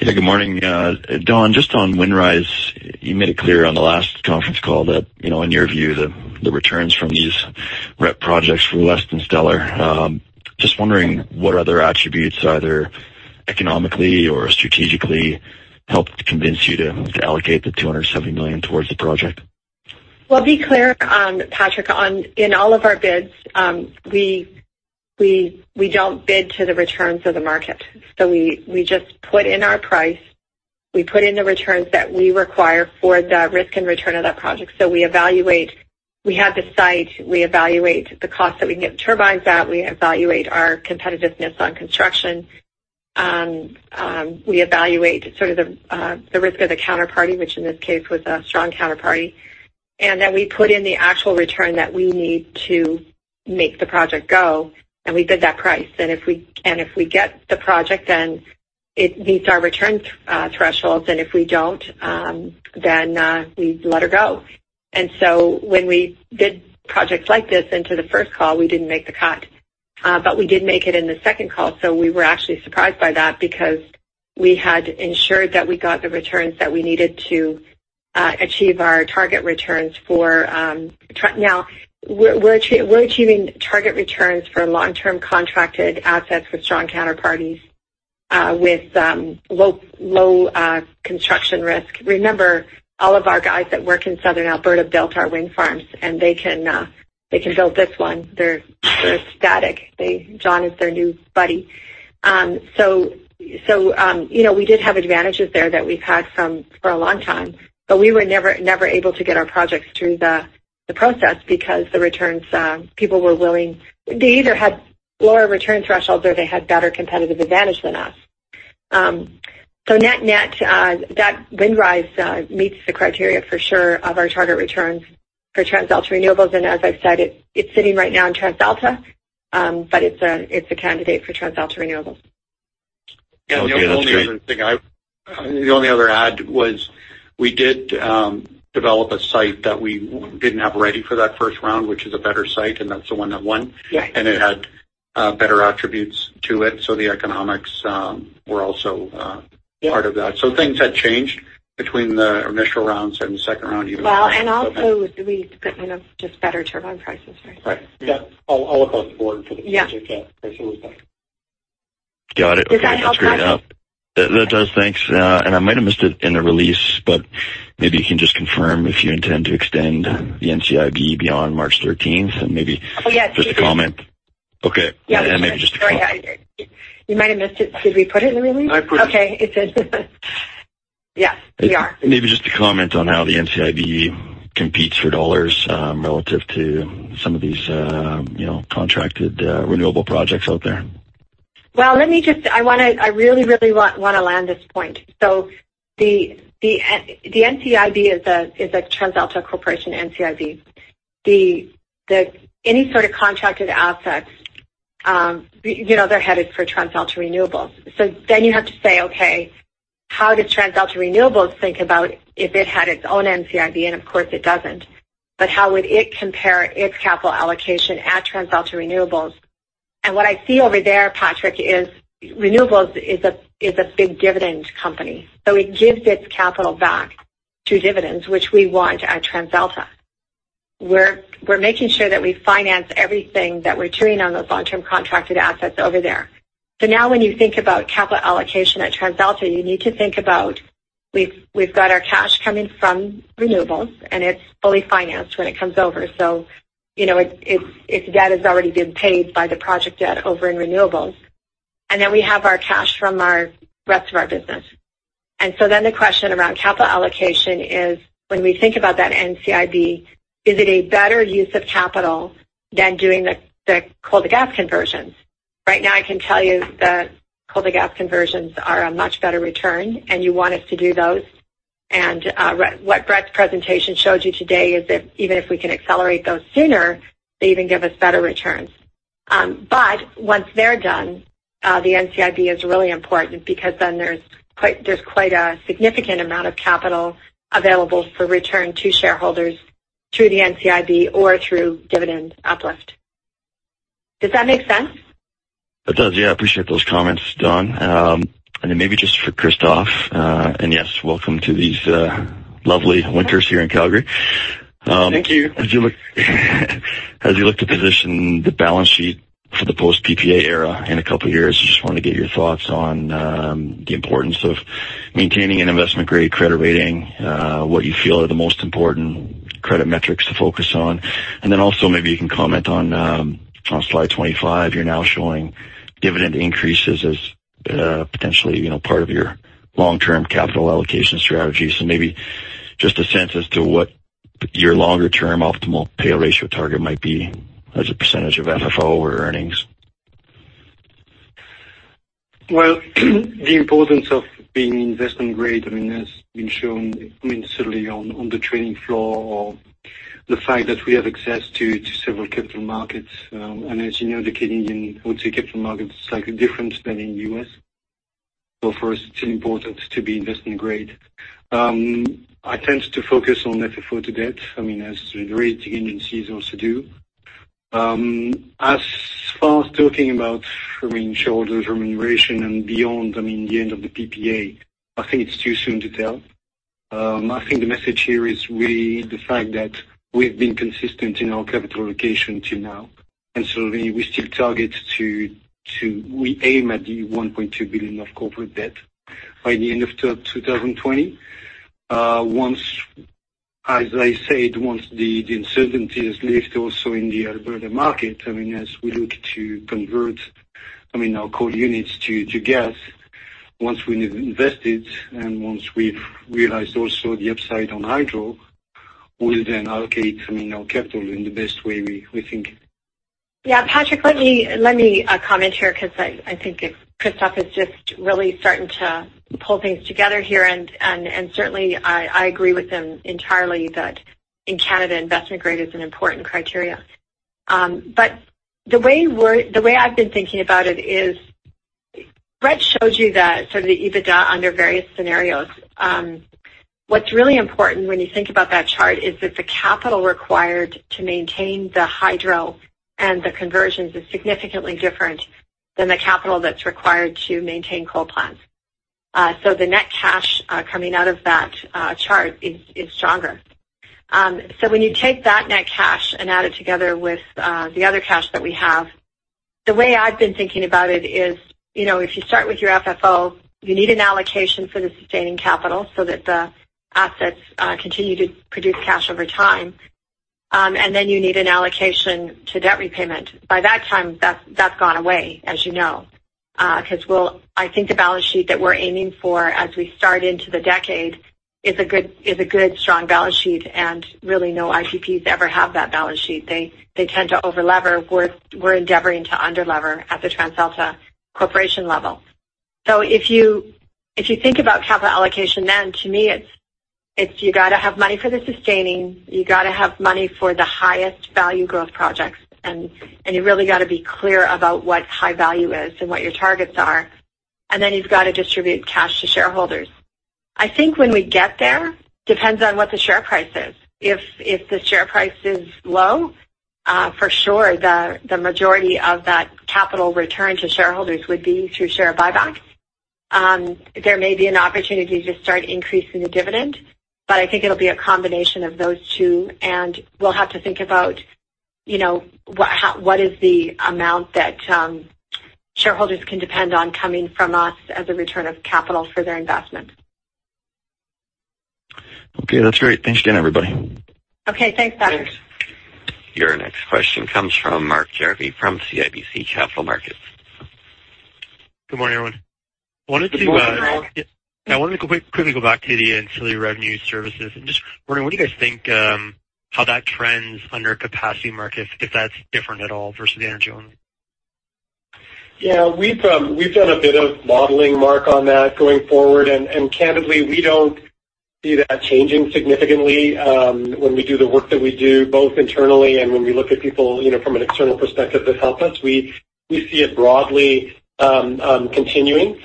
Yeah, good morning. Dawn, just on Windrise, you made it clear on the last conference call that, in your view, the returns from these REP projects were less than stellar. Just wondering what other attributes, either economically or strategically, helped to convince you to allocate the 270 million towards the project? Well, be clear, Patrick, in all of our bids, we don't bid to the returns of the market. We just put in our price. We put in the returns that we require for the risk and return of that project. We evaluate. We have the site. We evaluate the cost that we can get turbines at. We evaluate our competitiveness on construction. We evaluate sort of the risk of the counterparty, which in this case was a strong counterparty. Then we put in the actual return that we need to make the project go, and we bid that price. If we get the project, then it meets our return thresholds. If we don't, then we let her go. When we bid projects like this into the first call, we didn't make the cut. We did make it in the second call, we were actually surprised by that because we had ensured that we got the returns that we needed to achieve our target returns. Now, we're achieving target returns for long-term contracted assets with strong counterparties, with low construction risk. Remember, all of our guys that work in Southern Alberta built our wind farms, and they can build this one. They're ecstatic. John is their new buddy. We did have advantages there that we've had for a long time, but we were never able to get our projects through the process because the returns, they either had lower return thresholds or they had better competitive advantage than us. Net-net, that Windrise meets the criteria for sure of our target returns for TransAlta Renewables. As I've said, it's sitting right now in TransAlta, but it's a candidate for TransAlta Renewables. Okay, that's great. The only other add was we did develop a site that we didn't have ready for that first round, which is a better site, and that's the one that won. Yeah. It had better attributes to it, so the economics were also part of that. Things had changed between the initial rounds and the second round even. Well, also with just better turbine prices, right? Right. Yeah. All across the board. Yeah Got it. Okay. Does that help, Patrick? That's great. That does, thanks. I might have missed it in the release, but maybe you can just confirm if you intend to extend the NCIB beyond March 13th. Oh, yes. Just a comment. Okay. Maybe just a comment. You might have missed it. Did we put it in the release? I put it. Okay. Yes, we are. Maybe just a comment on how the NCIB competes for dollars relative to some of these contracted renewable projects out there. Well, I really want to land this point. The NCIB is a TransAlta Corporation NCIB. Any sort of contracted assets, they're headed for TransAlta Renewables. You have to say, okay, how does TransAlta Renewables think about if it had its own NCIB? Of course it doesn't. How would it compare its capital allocation at TransAlta Renewables? What I see over there, Patrick, is renewables is a big dividend company. It gives its capital back to dividends, which we want at TransAlta, where we're making sure that we finance everything that we're carrying on those long-term contracted assets over there. Now when you think about capital allocation at TransAlta, you need to think about. We've got our cash coming from renewables, and it's fully financed when it comes over. Its debt has already been paid by the project debt over in renewables. We have our cash from our rest of our business. The question around capital allocation is, when we think about that NCIB, is it a better use of capital than doing the coal to gas conversions? Right now, I can tell you that coal to gas conversions are a much better return, and you want us to do those. What Brett's presentation showed you today is that even if we can accelerate those sooner, they even give us better returns. Once they're done, the NCIB is really important because then there's quite a significant amount of capital available for return to shareholders through the NCIB or through dividend uplift. Does that make sense? It does. Yes. I appreciate those comments, Dawn. Maybe just for Christophe, yes, welcome to these lovely winters here in Calgary. Thank you. As you look to position the balance sheet for the post-PPA era in a couple of years, I just want to get your thoughts on the importance of maintaining an investment-grade credit rating, what you feel are the most important credit metrics to focus on. Also, maybe you can comment on slide 25. You're now showing dividend increases as potentially part of your long-term capital allocation strategy. Maybe just a sense as to what your longer-term optimal payout ratio target might be as a percentage of FFO or earnings. Well, the importance of being investment-grade has been shown certainly on the trading floor or the fact that we have access to several capital markets. As you know, the Canadian I would say capital markets is slightly different than in the U.S. For us, it's important to be investment-grade. I tend to focus on FFO to debt as the rating agencies also do. As far as talking about shareholders' remuneration and beyond, the end of the PPA, I think it's too soon to tell. I think the message here is really the fact that we've been consistent in our capital allocation till now, we aim at the 1.2 billion of corporate debt by the end of 2020. As I said, once the uncertainty is lifted also in the Alberta market, as we look to convert our coal units to gas, once we've invested and once we've realized also the upside on hydro, we'll allocate our capital in the best way we think. Yeah, Patrick, let me comment here because I think Christophe is just really starting to pull things together here. Certainly, I agree with him entirely that in Canada, investment grade is an important criteria. The way I've been thinking about it is, Brett showed you that sort of the EBITDA under various scenarios. What's really important when you think about that chart is that the capital required to maintain the hydro and the conversions is significantly different than the capital that's required to maintain coal plants. The net cash coming out of that chart is stronger. When you take that net cash and add it together with the other cash that we have, the way I've been thinking about it is, if you start with your FFO, you need an allocation for the sustaining capital so that the assets continue to produce cash over time. You need an allocation to debt repayment. By that time, that's gone away, as you know. I think the balance sheet that we're aiming for as we start into the decade is a good, strong balance sheet and really no IPPs ever have that balance sheet. They tend to over-lever. We're endeavoring to under-lever at the TransAlta Corporation level. If you think about capital allocation then, to me, it's you got to have money for the sustaining, you got to have money for the highest value growth projects. You really got to be clear about what high value is and what your targets are. You've got to distribute cash to shareholders. I think when we get there, depends on what the share price is. If the share price is low, for sure, the majority of that capital return to shareholders would be through share buybacks. There may be an opportunity to start increasing the dividend. I think it'll be a combination of those two. We'll have to think about what is the amount that shareholders can depend on coming from us as a return of capital for their investment. Okay, that's great. Thanks, Dawn, everybody. Okay. Thanks, Patrick. Thanks. Your next question comes from Mark Jarvi from CIBC Capital Markets. Good morning, everyone. Good morning. I wanted to quickly go back to the ancillary revenue services and just wondering what you guys think how that trends under a capacity market, if that's different at all versus the energy-only? Yeah. We've done a bit of modeling, Mark, on that going forward, candidly, we don't see that changing significantly. When we do the work that we do, both internally and when we look at people from an external perspective that help us, we see it broadly continuing.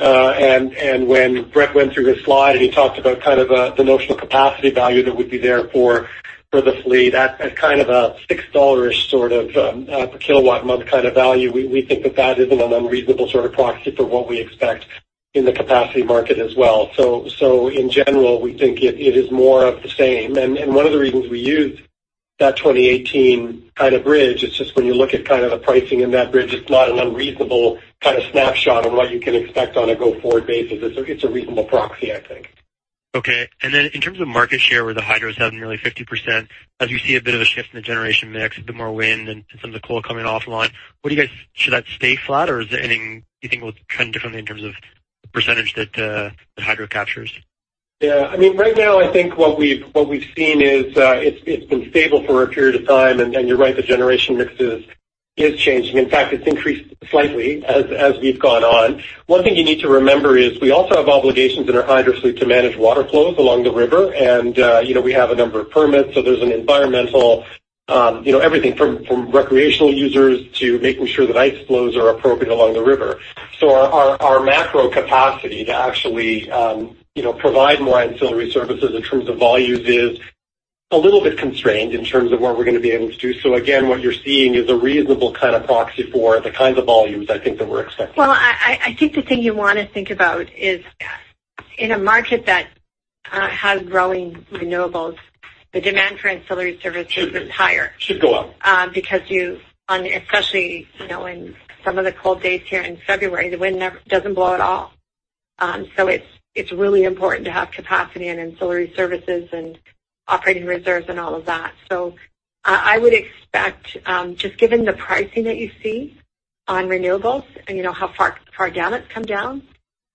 When Brett went through his slide and he talked about kind of the notional capacity value that would be there for the fleet at kind of a 6 sort of per kilowatt a month kind of value, we think that that isn't an unreasonable sort of proxy for what we expect in the capacity market as well. In general, we think it is more of the same. One of the reasons we use that 2018 kind of bridge, it's just when you look at the pricing in that bridge, it's not an unreasonable snapshot of what you can expect on a go-forward basis. It's a reasonable proxy, I think. Okay. In terms of market share, where the hydro is having nearly 50%, as you see a bit of a shift in the generation mix, a bit more wind and some of the coal coming offline, should that stay flat or is there anything you think will trend differently in terms of the percentage that the hydro captures? Yeah. Right now, I think what we've seen is it's been stable for a period of time. You're right, the generation mix is changing. In fact, it's increased slightly as we've gone on. One thing you need to remember is we also have obligations in our hydro suite to manage water flows along the river. We have a number of permits, so there's an environmental. Everything from recreational users to making sure that ice flows are appropriate along the river. Our macro capacity to actually provide more ancillary services in terms of volumes is a little bit constrained in terms of what we're going to be able to do. Again, what you're seeing is a reasonable kind of proxy for the kinds of volumes I think that we're expecting. Well, I think the thing you want to think about is in a market that has growing renewables, the demand for ancillary services is higher. Should go up. In some of the cold days here in February, the wind doesn't blow at all. It's really important to have capacity and ancillary services and operating reserves and all of that. I would expect, just given the pricing that you see on renewables and how far down it's come down,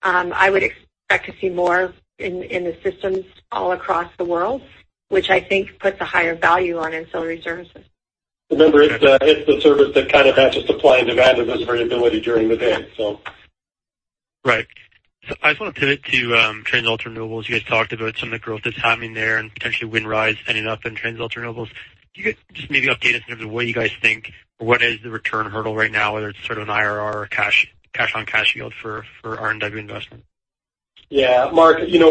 I would expect to see more in the systems all across the world, which I think puts a higher value on ancillary services. Remember, it's the service that kind of matches supply and demand of those variability during the day. Right. I just want to pivot to TransAlta Renewables. You guys talked about some of the growth that's happening there and potentially Windrise ending up in TransAlta Renewables. Can you guys just maybe update us in terms of what you guys think or what is the return hurdle right now, whether it's sort of an IRR or cash-on-cash yield for R&W investment? Yeah. Mark, I'll be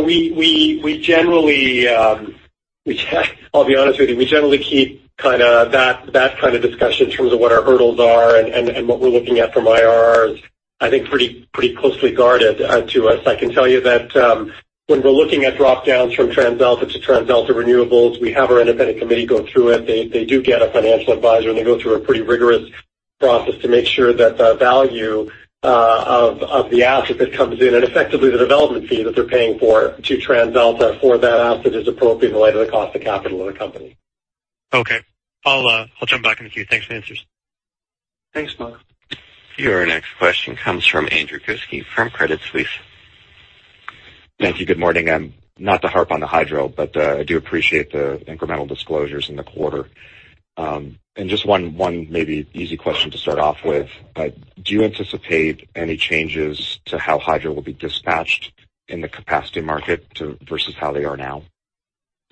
honest with you, we generally keep that kind of discussion in terms of what our hurdles are and what we're looking at from IRRs, I think pretty closely guarded to us. I can tell you that when we're looking at drop-downs from TransAlta to TransAlta Renewables, we have our independent committee go through it. They do get a financial advisor, and they go through a pretty rigorous process to make sure that the value of the asset that comes in, and effectively the development fee that they're paying to TransAlta for that asset is appropriate in light of the cost of capital of the company. Okay. I'll jump back in the queue. Thanks for the answers. Thanks, Mark. Your next question comes from Andrew Kuske from Credit Suisse. Thank you. Good morning. Not to harp on the hydro, I do appreciate the incremental disclosures in the quarter. Just one maybe easy question to start off with. Do you anticipate any changes to how hydro will be dispatched in the capacity market versus how they are now?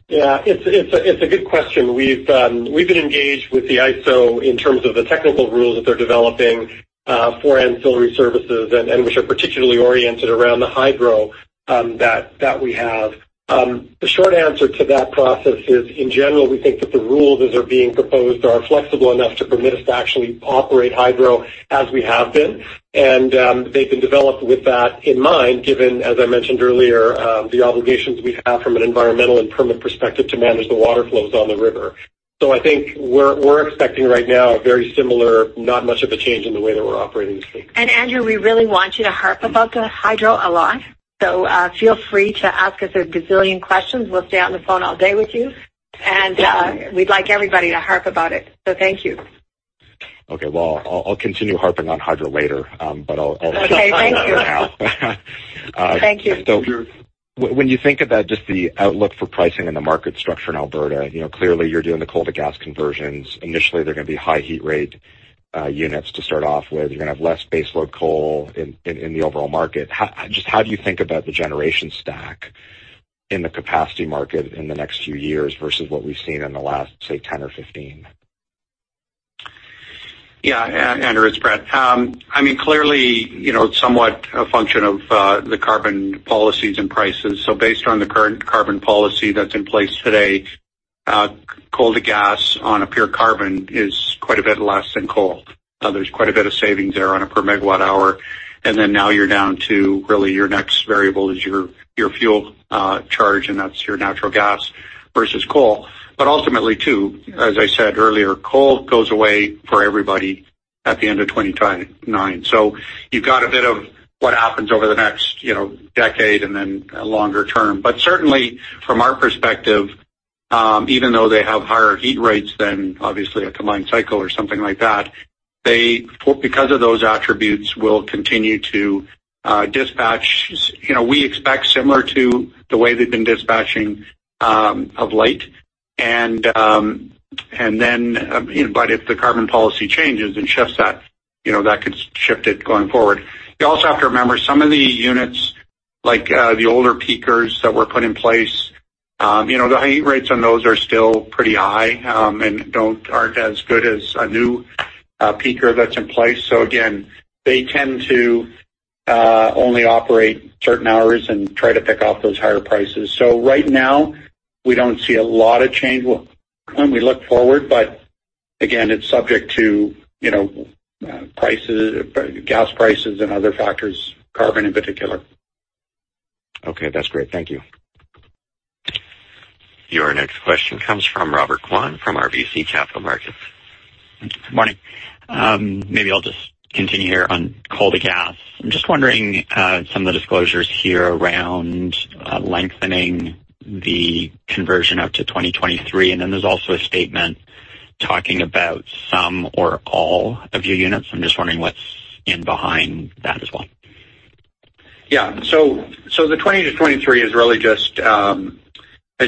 Yeah. It's a good question. We've been engaged with the ISO in terms of the technical rules that they're developing for ancillary services, which are particularly oriented around the hydro that we have. The short answer to that process is, in general, we think that the rules as they're being proposed are flexible enough to permit us to actually operate hydro as we have been. They've been developed with that in mind, given, as I mentioned earlier, the obligations we have from an environmental and permit perspective to manage the water flows on the river. I think we're expecting right now a very similar, not much of a change in the way that we're operating these things. Andrew, we really want you to harp about the hydro a lot. Feel free to ask us a gazillion questions. We'll stay on the phone all day with you. We'd like everybody to harp about it. Thank you. Okay. I'll continue harping on hydro later. Okay. Thank you stop now. Thank you. Sure. When you think about just the outlook for pricing and the market structure in Alberta, clearly you're doing the coal-to-gas conversions. Initially, they're going to be high heat rate units to start off with. You're going to have less baseload coal in the overall market. Just how do you think about the generation stack in the capacity market in the next few years versus what we've seen in the last, say, 10 or 15? Yeah. Andrew, it's Brett. Clearly, it's somewhat a function of the carbon policies and prices. Based on the current carbon policy that's in place today, coal-to-gas on a pure carbon is quite a bit less than coal. There's quite a bit of savings there on a per megawatt-hour. Now you're down to really your next variable is your fuel charge, and that's your natural gas versus coal. Ultimately, too, as I said earlier, coal goes away for everybody at the end of 2029. You've got a bit of what happens over the next decade and then longer term. Certainly, from our perspective, even though they have higher heat rates than obviously a combined cycle or something like that, because of those attributes, will continue to dispatch. We expect similar to the way they've been dispatching of late. If the carbon policy changes and shifts that could shift it going forward. You also have to remember some of the units, like the older peakers that were put in place, the heat rates on those are still pretty high and aren't as good as a new peaker that's in place. Again, they tend to only operate certain hours and try to pick off those higher prices. Right now, we don't see a lot of change when we look forward, but again, it's subject to gas prices and other factors, carbon in particular. Okay, that's great. Thank you. Your next question comes from Robert Kwan from RBC Capital Markets. Good morning. Maybe I'll just continue here on coal to gas. I'm just wondering some of the disclosures here around lengthening the conversion out to 2023. Then there's also a statement talking about some or all of your units. I'm just wondering what's in behind that as well. Yeah. The 2020-2023 is really just, as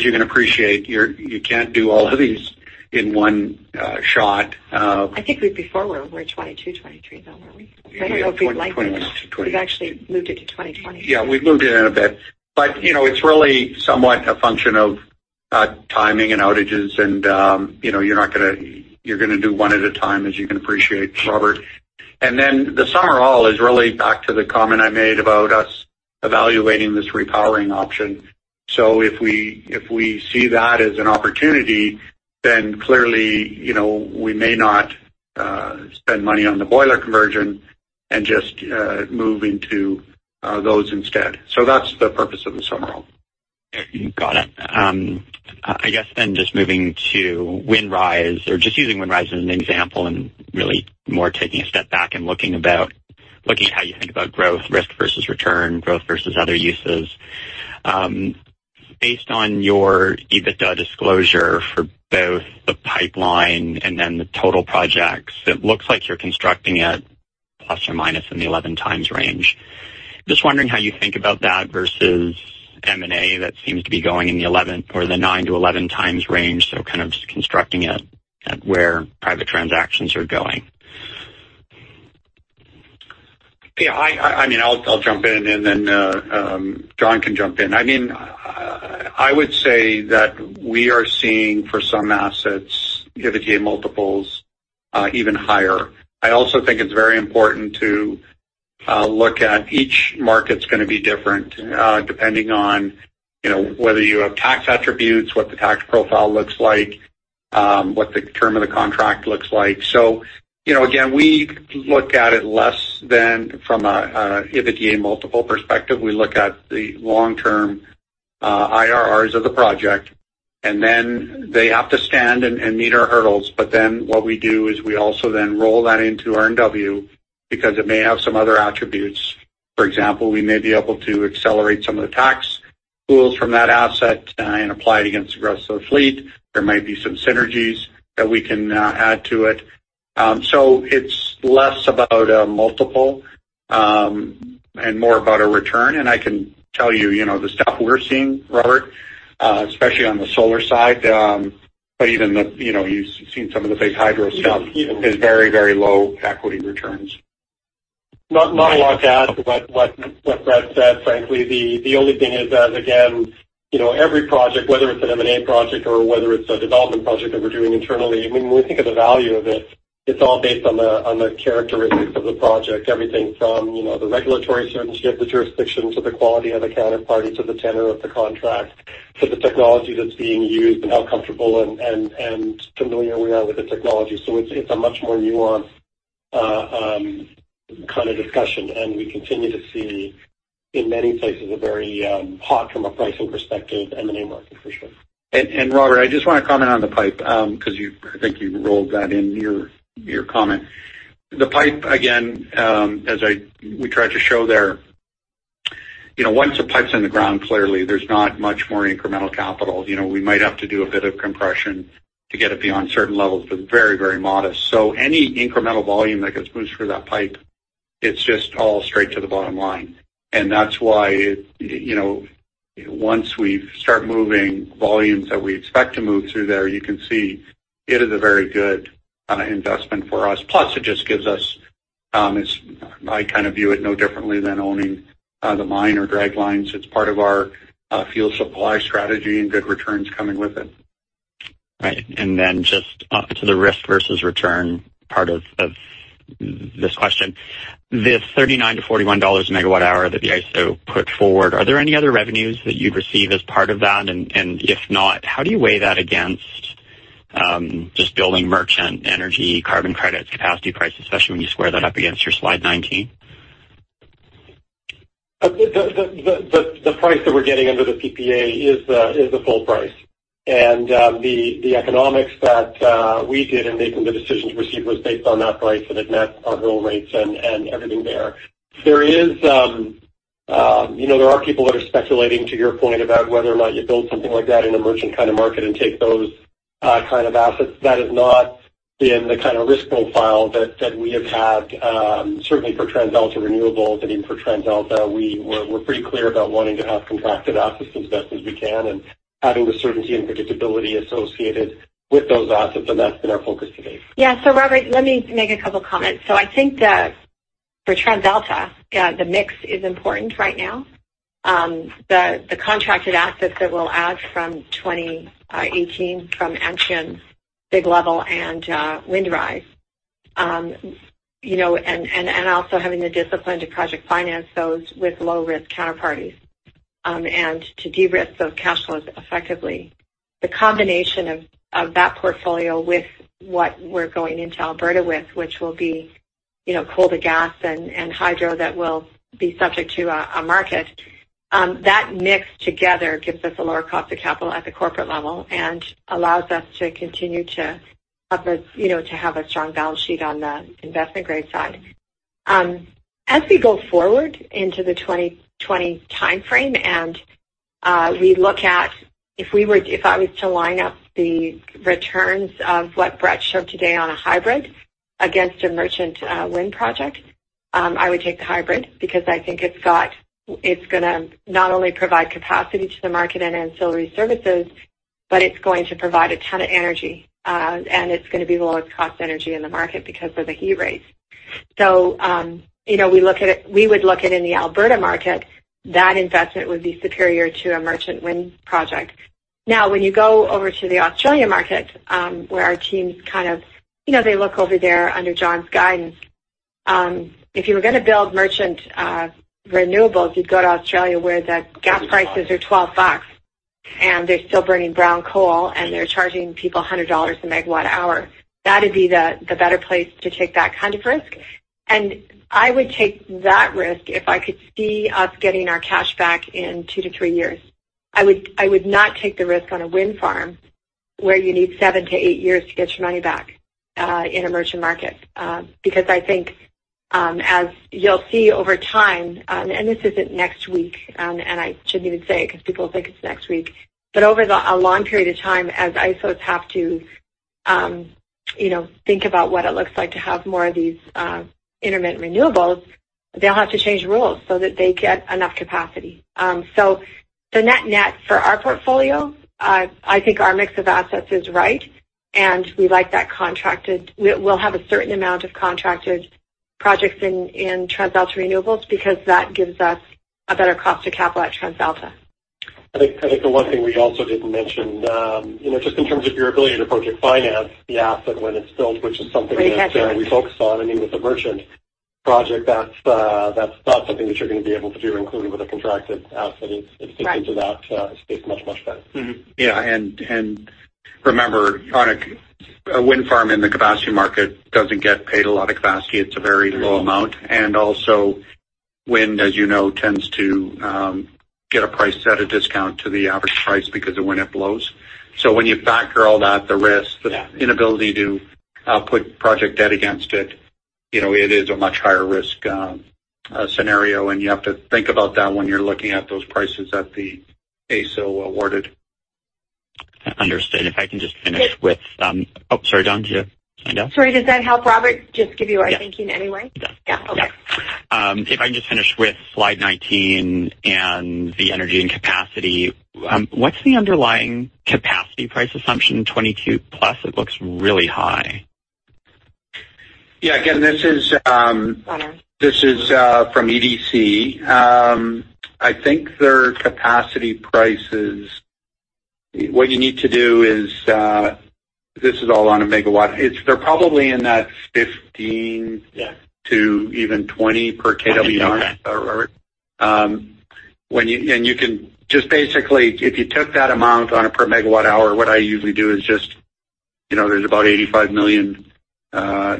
you can appreciate, you can't do all of these in one shot. I think we before were 2022, 2023, though, weren't we? Yeah. 2021-2020. We've actually moved it to 2020. We've moved it in a bit. It's really somewhat a function of timing and outages and you're going to do one at a time, as you can appreciate, Robert. The some or all is really back to the comment I made about us evaluating this repowering option. If we see that as an opportunity, clearly, we may not spend money on the boiler conversion and just move into those instead. That's the purpose of the some or all. Got it. Just moving to Windrise or just using Windrise as an example and really more taking a step back and looking at how you think about growth, risk versus return, growth versus other uses. Based on your EBITDA disclosure for both the pipeline and the total projects, it looks like you're constructing at ± the 11x range. Just wondering how you think about that versus M&A. That seems to be going in the 9x-11x range. Kind of just constructing it at where private transactions are going. I'll jump in. John can jump in. I would say that we are seeing, for some assets, EBITDA multiples even higher. I also think it's very important to look at each market is going to be different depending on whether you have tax attributes, what the tax profile looks like, what the term of the contract looks like. We look at it less than from an EBITDA multiple perspective. We look at the long-term IRRs of the project, they have to stand and meet our hurdles. What we do is we also roll that into RNW because it may have some other attributes. For example, we may be able to accelerate some of the tax pools from that asset and apply it against the rest of the fleet. There might be some synergies that we can add to it. It's less about a multiple and more about a return. I can tell you, the stuff we're seeing, Robert, especially on the solar side, but even you've seen some of the big hydro stuff is very low equity returns. Not a lot to add to what Brett said, frankly. The only thing is that, again, every project, whether it's an M&A project or whether it's a development project that we're doing internally, when we think of the value of it's all based on the characteristics of the project. Everything from the regulatory certainty of the jurisdiction to the quality of the counterparty, to the tenor of the contract, to the technology that's being used and how comfortable and familiar we are with the technology. It's a much more nuanced kind of discussion. We continue to see, in many places, a very hot, from a pricing perspective, M&A market, for sure. Robert, I just want to comment on the pipe because I think you rolled that in your comment. The pipe, again, as we tried to show there, once a pipe's in the ground, clearly, there's not much more incremental capital. We might have to do a bit of compression to get it beyond certain levels, but very modest. Any incremental volume that gets pushed through that pipe, it's just all straight to the bottom line. That's why once we start moving volumes that we expect to move through there, you can see it is a very good investment for us. Plus, I kind of view it no differently than owning the mine or drag lines. It's part of our fuel supply strategy and good returns coming with it. Right. Then just to the risk versus return part of this question. This 39 to 41 dollars a megawatt-hour that the ISO put forward, are there any other revenues that you'd receive as part of that? If not, how do you weigh that against just building merchant energy, carbon credits, capacity prices, especially when you square that up against your slide 19? The price that we're getting under the PPA is the full price. The economics that we did in making the decision to proceed was based on that price, and it met our hurdle rates and everything there. There are people that are speculating, to your point, about whether or not you build something like that in a merchant kind of market and take those kind of assets. That is not in the kind of risk profile that we have had. Certainly for TransAlta Renewables and even for TransAlta, we're pretty clear about wanting to have contracted assets as best as we can and having the certainty and predictability associated with those assets, and that's been our focus to date. Robert, let me make a couple comments. I think that for TransAlta, the mix is important right now. The contracted assets that we'll add from 2018 from Antrim, Big Level, and Windrise. Also having the discipline to project finance those with low-risk counterparties and to de-risk those cash flows effectively. The combination of that portfolio with what we're going into Alberta with, which will be Coal to gas and hydro that will be subject to a market. That mix together gives us a lower cost of capital at the corporate level and allows us to continue to have a strong balance sheet on the investment-grade side. As we go forward into the 2020 timeframe, we look at, if I was to line up the returns of what Brett showed today on a hybrid against a merchant wind project, I would take the hybrid because I think it's going to not only provide capacity to the market and ancillary services, but it's going to provide a ton of energy. It's going to be the lowest cost energy in the market because of the heat rates. We would look at in the Alberta market, that investment would be superior to a merchant wind project. Now, when you go over to the Australia market, where our teams kind of look over there under John's guidance. If you were going to build merchant renewables, you'd go to Australia where the gas prices are 12 bucks, and they're still burning brown coal, and they're charging people 100 dollars a megawatt hour. That'd be the better place to take that kind of risk. I would take that risk if I could see us getting our cash back in two to three years. I would not take the risk on a wind farm where you need seven to eight years to get your money back in a merchant market. Because I think, as you'll see over time, this isn't next week, I shouldn't even say it because people will think it's next week. Over a long period of time, as ISOs have to think about what it looks like to have more of these intermittent renewables, they'll have to change rules so that they get enough capacity. The net-net for our portfolio, I think our mix of assets is right, and we like that contracted. We'll have a certain amount of contracted projects in TransAlta Renewables because that gives us a better cost of capital at TransAlta. I think the one thing we also didn't mention, just in terms of your ability to project finance the asset when it's built, which is something that- Where you can we focus on, I mean, with the merchant project, that's not something that you're going to be able to do, including with a contracted asset. Right. It fits into that space much, much better. Yeah, remember, a wind farm in the capacity market doesn't get paid a lot of capacity. It's a very low amount. Also, wind, as you know, tends to get a price at a discount to the average price because of when it blows. When you factor all that, the risk- Yeah The inability to put project debt against it is a much higher risk scenario, you have to think about that when you're looking at those prices that the AESO awarded. Understood. If I can just finish with, sorry, Dawn, do you want to sign off? Sorry, does that help, Robert? Just give you our thinking anyway? Yeah. Yeah. Okay. If I can just finish with slide 19 and the energy and capacity. What's the underlying capacity price assumption, 22 plus? It looks really high. Yeah. Again, this is- Dawn. This is from EDC. I think their capacity prices, what you need to do is, this is all on a megawatt. They're probably in that 15- Yeah to even 20 per kWh. Okay. You can just basically, if you took that amount on a per MWh, what I usually do is just, there is about 85 million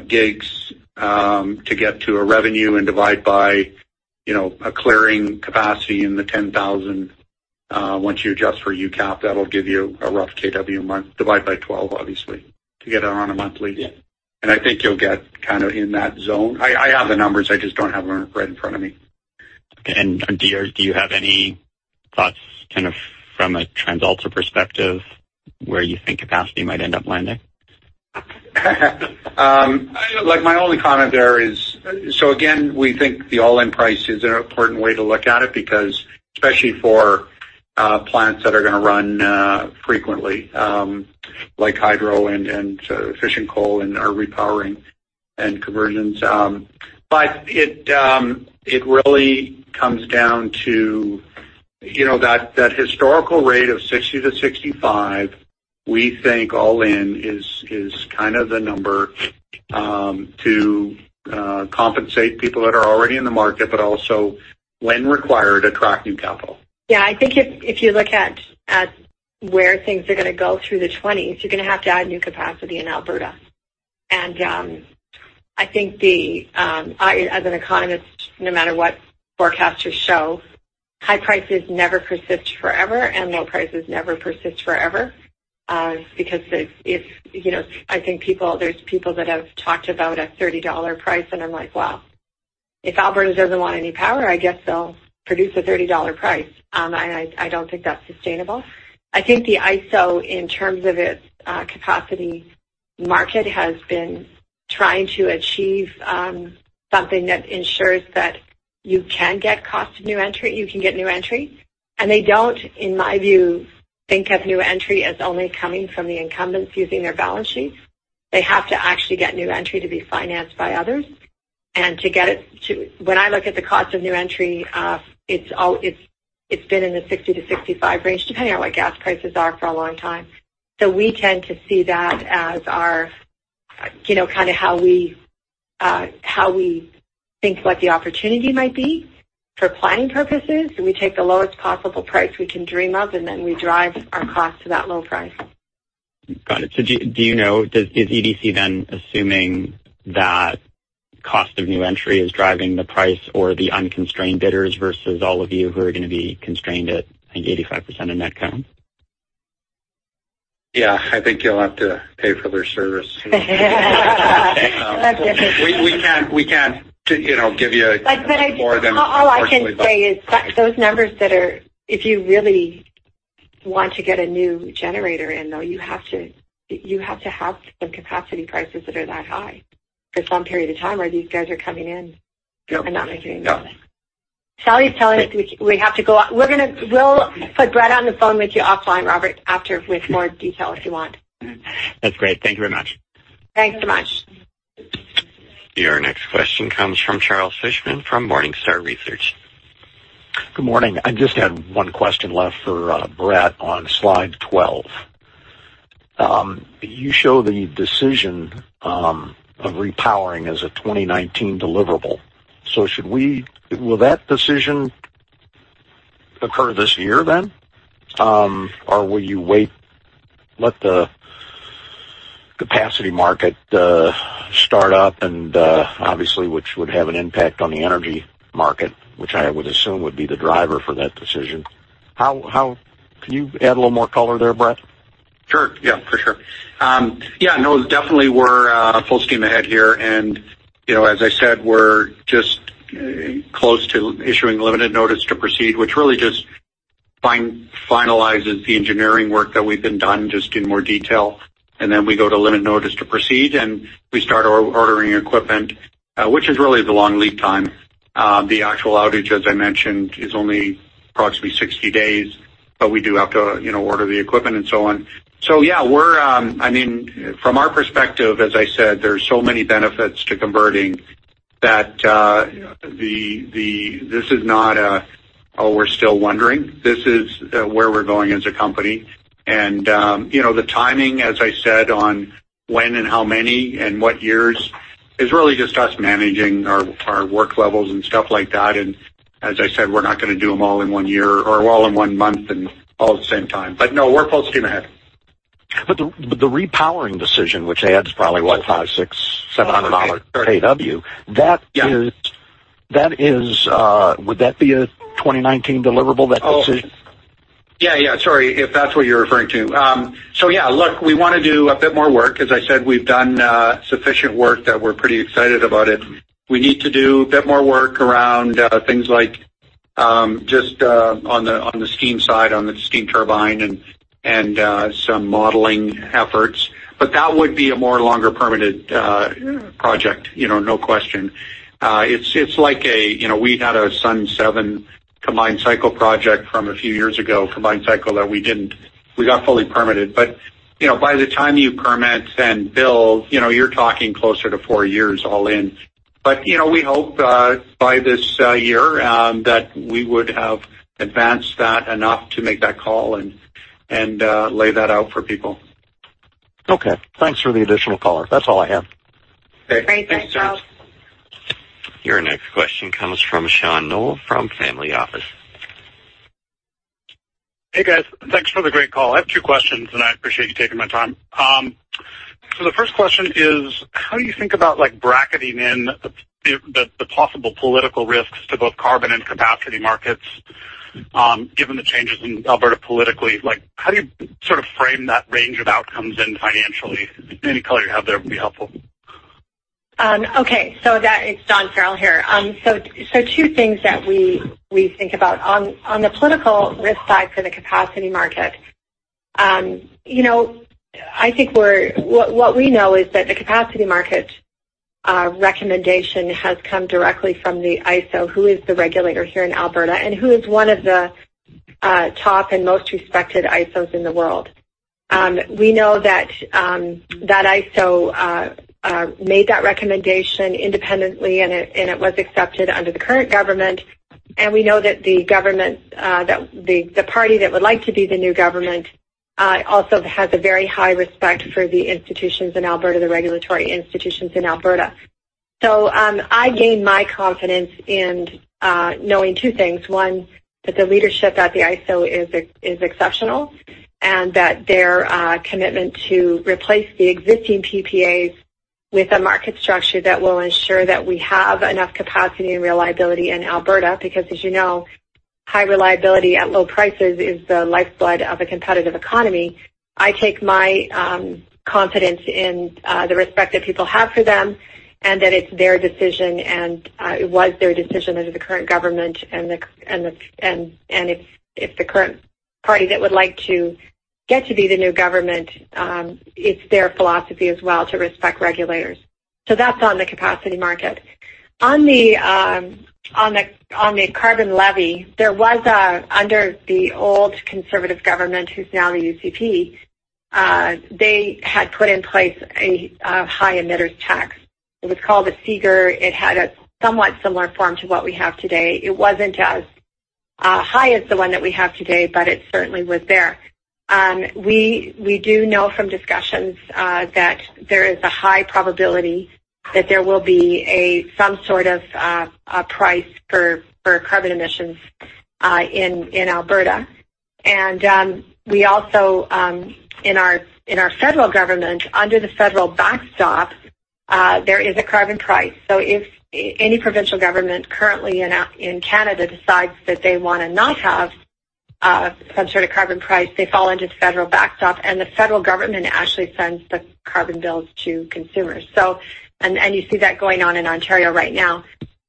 gigs to get to a revenue and divide by a clearing capacity in the 10,000. Once you adjust for UCAP, that will give you a rough kW a month. Divide by 12, obviously, to get it on a monthly. Yeah. I think you will get kind of in that zone. I have the numbers. I just do not have them right in front of me. Okay. Do you have any thoughts kind of from a TransAlta perspective, where you think capacity might end up landing? My only comment there is, again, we think the all-in price is an important way to look at it, because especially for plants that are going to run frequently, like hydro and efficient coal and are repowering and conversions. It really comes down to that historical rate of 60 to 65, we think all in is kind of the number to compensate people that are already in the market, but also when required, attract new capital. Yeah, I think if you look at where things are going to go through the '20s, you're going to have to add new capacity in Alberta. I think as an economist, no matter what forecasters show, high prices never persist forever, and low prices never persist forever. I think there's people that have talked about a 30 dollar price, and I'm like, "Well, if Alberta doesn't want any power, I guess they'll produce a 30 dollar price." I don't think that's sustainable. I think the AESO in terms of its capacity market, has been trying to achieve something that ensures that you can get cost of new entry, you can get new entry. They don't, in my view, think of new entry as only coming from the incumbents using their balance sheets. They have to actually get new entry to be financed by others. When I look at the cost of new entry, it's been in the 60 to 65 range, depending on what gas prices are for a long time. We tend to see that as our, kind of how we think what the opportunity might be. For planning purposes, we take the lowest possible price we can dream of, and then we drive our cost to that low price. Got it. Do you know, is EDC then assuming that cost of new entry is driving the price or the unconstrained bidders versus all of you who are going to be constrained at, I think, 85% of net count? Yeah, I think you'll have to pay for their service. That's interesting. We can't give you more than. All I can say is those numbers that are, if you really want to get a new generator in, though, you have to have some capacity prices that are that high for some period of time where these guys are coming in and not making any money. No. Sally's telling us we have to go. We'll put Brett on the phone with you offline, Robert, after with more detail if you want. That's great. Thank you very much. Thanks so much. Your next question comes from Charles Fishman from Morningstar Research. Good morning. I just had one question left for Brett on slide 12. You show the decision of repowering as a 2019 deliverable. Will that decision occur this year? Will you wait, let the capacity market start up and, obviously, which would have an impact on the energy market, which I would assume would be the driver for that decision. Can you add a little more color there, Brett? Sure. Yeah, for sure. Definitely we're full steam ahead here. As I said, we're just close to issuing limited notice to proceed, which really just finalizes the engineering work that we've been done just in more detail. We go to limited notice to proceed, and we start ordering equipment, which is really the long lead time. The actual outage, as I mentioned, is only approximately 60 days, but we do have to order the equipment and so on. From our perspective, as I said, there's so many benefits to converting that this is not a, "Oh, we're still wondering." This is where we're going as a company. The timing, as I said, on when and how many and what years is really just us managing our work levels and stuff like that. As I said, we're not going to do them all in one year or all in one month and all at the same time. We're full steam ahead. The repowering decision, which adds probably what? Five, six, seven hundred CAD kW. Would that be a 2019 deliverable, that decision? Sorry. If that's what you're referring to. We want to do a bit more work. As I said, we've done sufficient work that we're pretty excited about it. We need to do a bit more work around things like, just on the steam side, on the steam turbine and some modeling efforts. That would be a more longer permitted project, no question. We had a Sun 7 combined cycle project from a few years ago. Combined cycle that we got fully permitted. By the time you permit and build, you're talking closer to 4 years all in. We hope, by this year, that we would have advanced that enough to make that call and lay that out for people. Thanks for the additional color. That's all I have. Thanks, Charles. Thanks, Charles. Your next question comes from Sean Noel from Family Office. Hey, guys. Thanks for the great call. I have two questions, and I appreciate you taking my time. The first question is, how do you think about bracketing in the possible political risks to both carbon and capacity markets, given the changes in Alberta politically? How do you sort of frame that range of outcomes financially? Any color you have there would be helpful. Okay. That is Dawn Farrell here. Two things that we think about. On the political risk side for the capacity market, I think what we know is that the capacity market recommendation has come directly from the AESO, who is the regulator here in Alberta, and who is one of the top and most respected AESOs in the world. We know that AESO made that recommendation independently, and it was accepted under the current government. We know that the party that would like to be the new government also has a very high respect for the institutions in Alberta, the regulatory institutions in Alberta. I gain my confidence in knowing two things. One, that the leadership at the AESO is exceptional, and that their commitment to replace the existing PPAs with a market structure that will ensure that we have enough capacity and reliability in Alberta. As you know, high reliability at low prices is the lifeblood of a competitive economy. I take my confidence in the respect that people have for them and that it's their decision, and it was their decision under the current government, and if the current party that would like to get to be the new government, it's their philosophy as well to respect regulators. That's on the capacity market. On the carbon levy, under the old conservative government, who's now the UCP, they had put in place a high emitter's tax. It was called a SGER. It had a somewhat similar form to what we have today. It wasn't as high as the one that we have today, but it certainly was there. We do know from discussions that there is a high probability that there will be some sort of a price for carbon emissions in Alberta. We also, in our federal government, under the federal backstop, there is a carbon price. If any provincial government currently in Canada decides that they want to not have some sort of carbon price, they fall into the federal backstop, and the federal government actually sends the carbon bills to consumers. You see that going on in Ontario right now.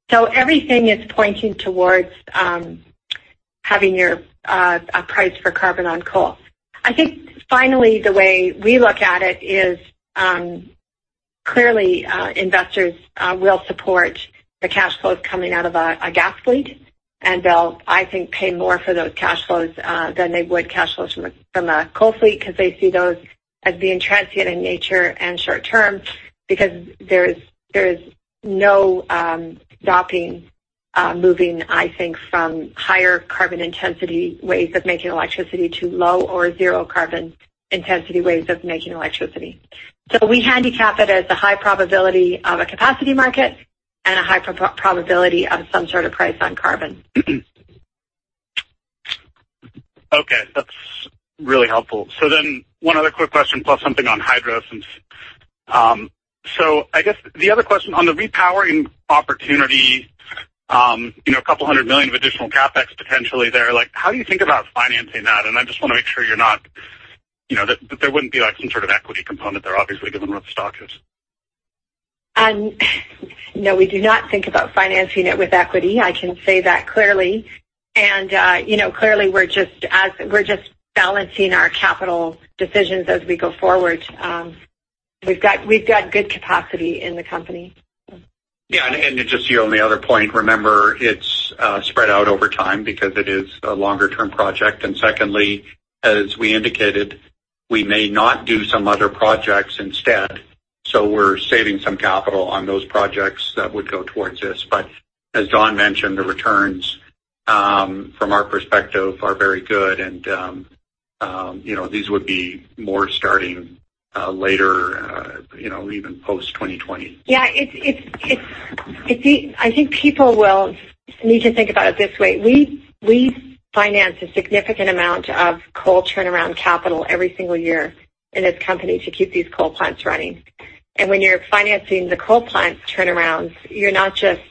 Everything is pointing towards having a price for carbon on coal. I think finally, the way we look at it is, clearly investors will support the cash flows coming out of a gas fleet, and they'll, I think, pay more for those cash flows than they would cash flows from a coal fleet, because they see those as being transient in nature and short-term because there's no stopping moving, I think, from higher carbon intensity ways of making electricity to low or zero carbon intensity ways of making electricity. We handicap it as a high probability of a capacity market and a high probability of some sort of price on carbon. Okay. That's really helpful. One other quick question, plus something on hydro. I guess the other question on the repowering opportunity, CAD a couple hundred million of additional CapEx potentially there. How do you think about financing that? I just want to make sure there wouldn't be some sort of equity component there, obviously, given where the stock is. No, we do not think about financing it with equity. I can say that clearly. Clearly we're just balancing our capital decisions as we go forward. We've got good capacity in the company. Just on the other point, remember, it's spread out over time because it is a longer-term project. Secondly, as we indicated, we may not do some other projects instead. We're saving some capital on those projects that would go towards this. As John mentioned, the returns from our perspective are very good and these would be more starting later, even post 2020. Yeah. I think people will need to think about it this way. We finance a significant amount of coal turnaround capital every single year in this company to keep these coal plants running. When you're financing the coal plants turnarounds, you're not just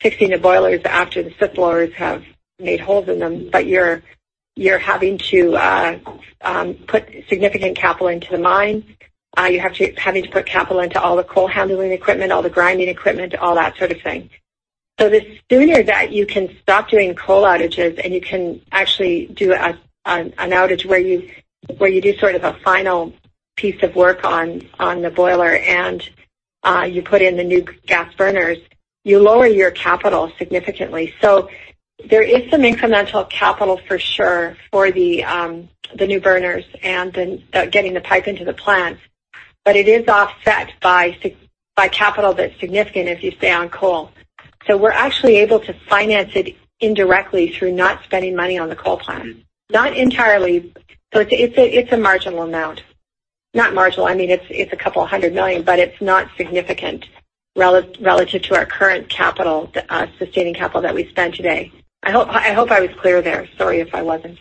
fixing the boilers after the [sub-floors] have made holes in them, but you're having to put significant capital into the mine. You're having to put capital into all the coal handling equipment, all the grinding equipment, all that sort of thing. The sooner that you can stop doing coal outages and you can actually do an outage where you do sort of a final piece of work on the boiler and you put in the new gas burners, you lower your capital significantly. There is some incremental capital for sure for the new burners and then getting the pipe into the plant. It is offset by capital that's significant if you stay on coal. We're actually able to finance it indirectly through not spending money on the coal plant. Not entirely, but it's a marginal amount. Not marginal, I mean, it's a couple of 100 million, but it's not significant relative to our current sustaining capital that we spend today. I hope I was clear there. Sorry if I wasn't.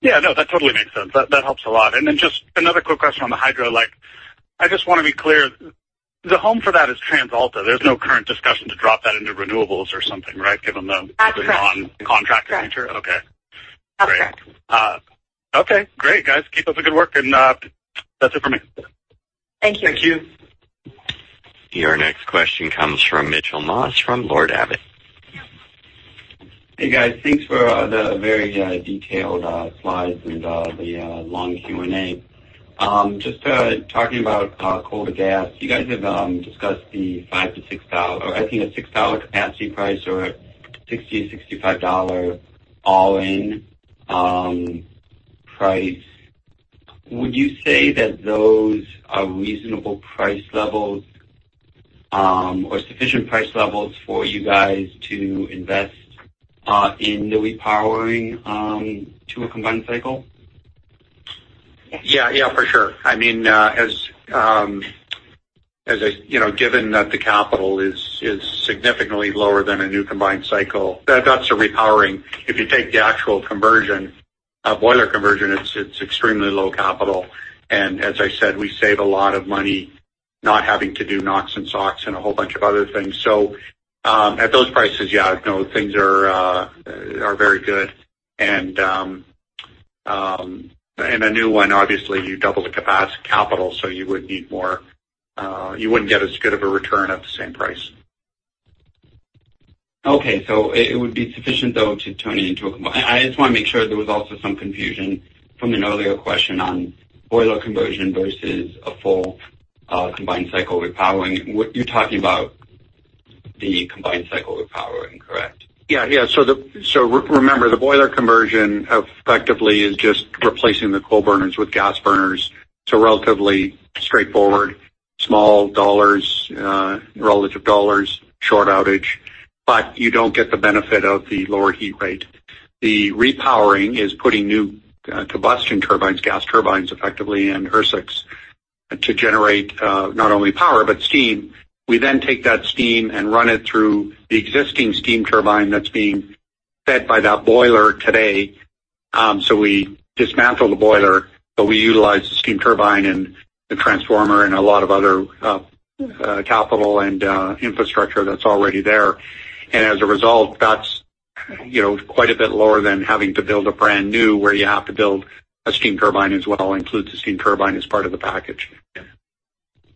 Yeah. No, that totally makes sense. That helps a lot. Then just another quick question on the hydro. I just want to be clear, the home for that is TransAlta. There's no current discussion to drop that into renewables or something, right? Given the- That's correct. non-contracted nature? Correct. Okay. That's correct. Okay, great. Guys, keep up the good work. That's it for me. Thank you. Thank you. Your next question comes from Mitchell Moss from Lord Abbett. Hey, guys. Thanks for the very detailed slides and the long Q&A. Just talking about coal to gas, you guys have discussed the five to six Or I think a 6 dollar capacity price or a 60-65 dollar all-in price. Would you say that those are reasonable price levels or sufficient price levels for you guys to invest in the repowering to a combined cycle? Yeah, for sure. Given that the capital is significantly lower than a new combined cycle, that's a repowering. If you take the actual conversion, boiler conversion, it's extremely low capital. As I said, we save a lot of money not having to do NOx and SOx and a whole bunch of other things. At those prices, yeah, things are very good. A new one, obviously, you double the capacity capital, so you would need more. You wouldn't get as good of a return at the same price. Okay. It would be sufficient, though, to turn it into a. I just want to make sure there was also some confusion from an earlier question on boiler conversion versus a full combined cycle repowering. You're talking about the combined cycle repowering, correct? Yeah. Remember, the boiler conversion effectively is just replacing the coal burners with gas burners, so relatively straightforward, small dollars, relative dollars, short outage. But you don't get the benefit of the lower heat rate. The repowering is putting new combustion turbines, gas turbines, effectively, and HRSGs to generate not only power but steam. We then take that steam and run it through the existing steam turbine that's being fed by that boiler today. We dismantle the boiler, but we utilize the steam turbine and the transformer and a lot of other capital and infrastructure that's already there. As a result, that's quite a bit lower than having to build a brand new, where you have to build a steam turbine as well, includes the steam turbine as part of the package.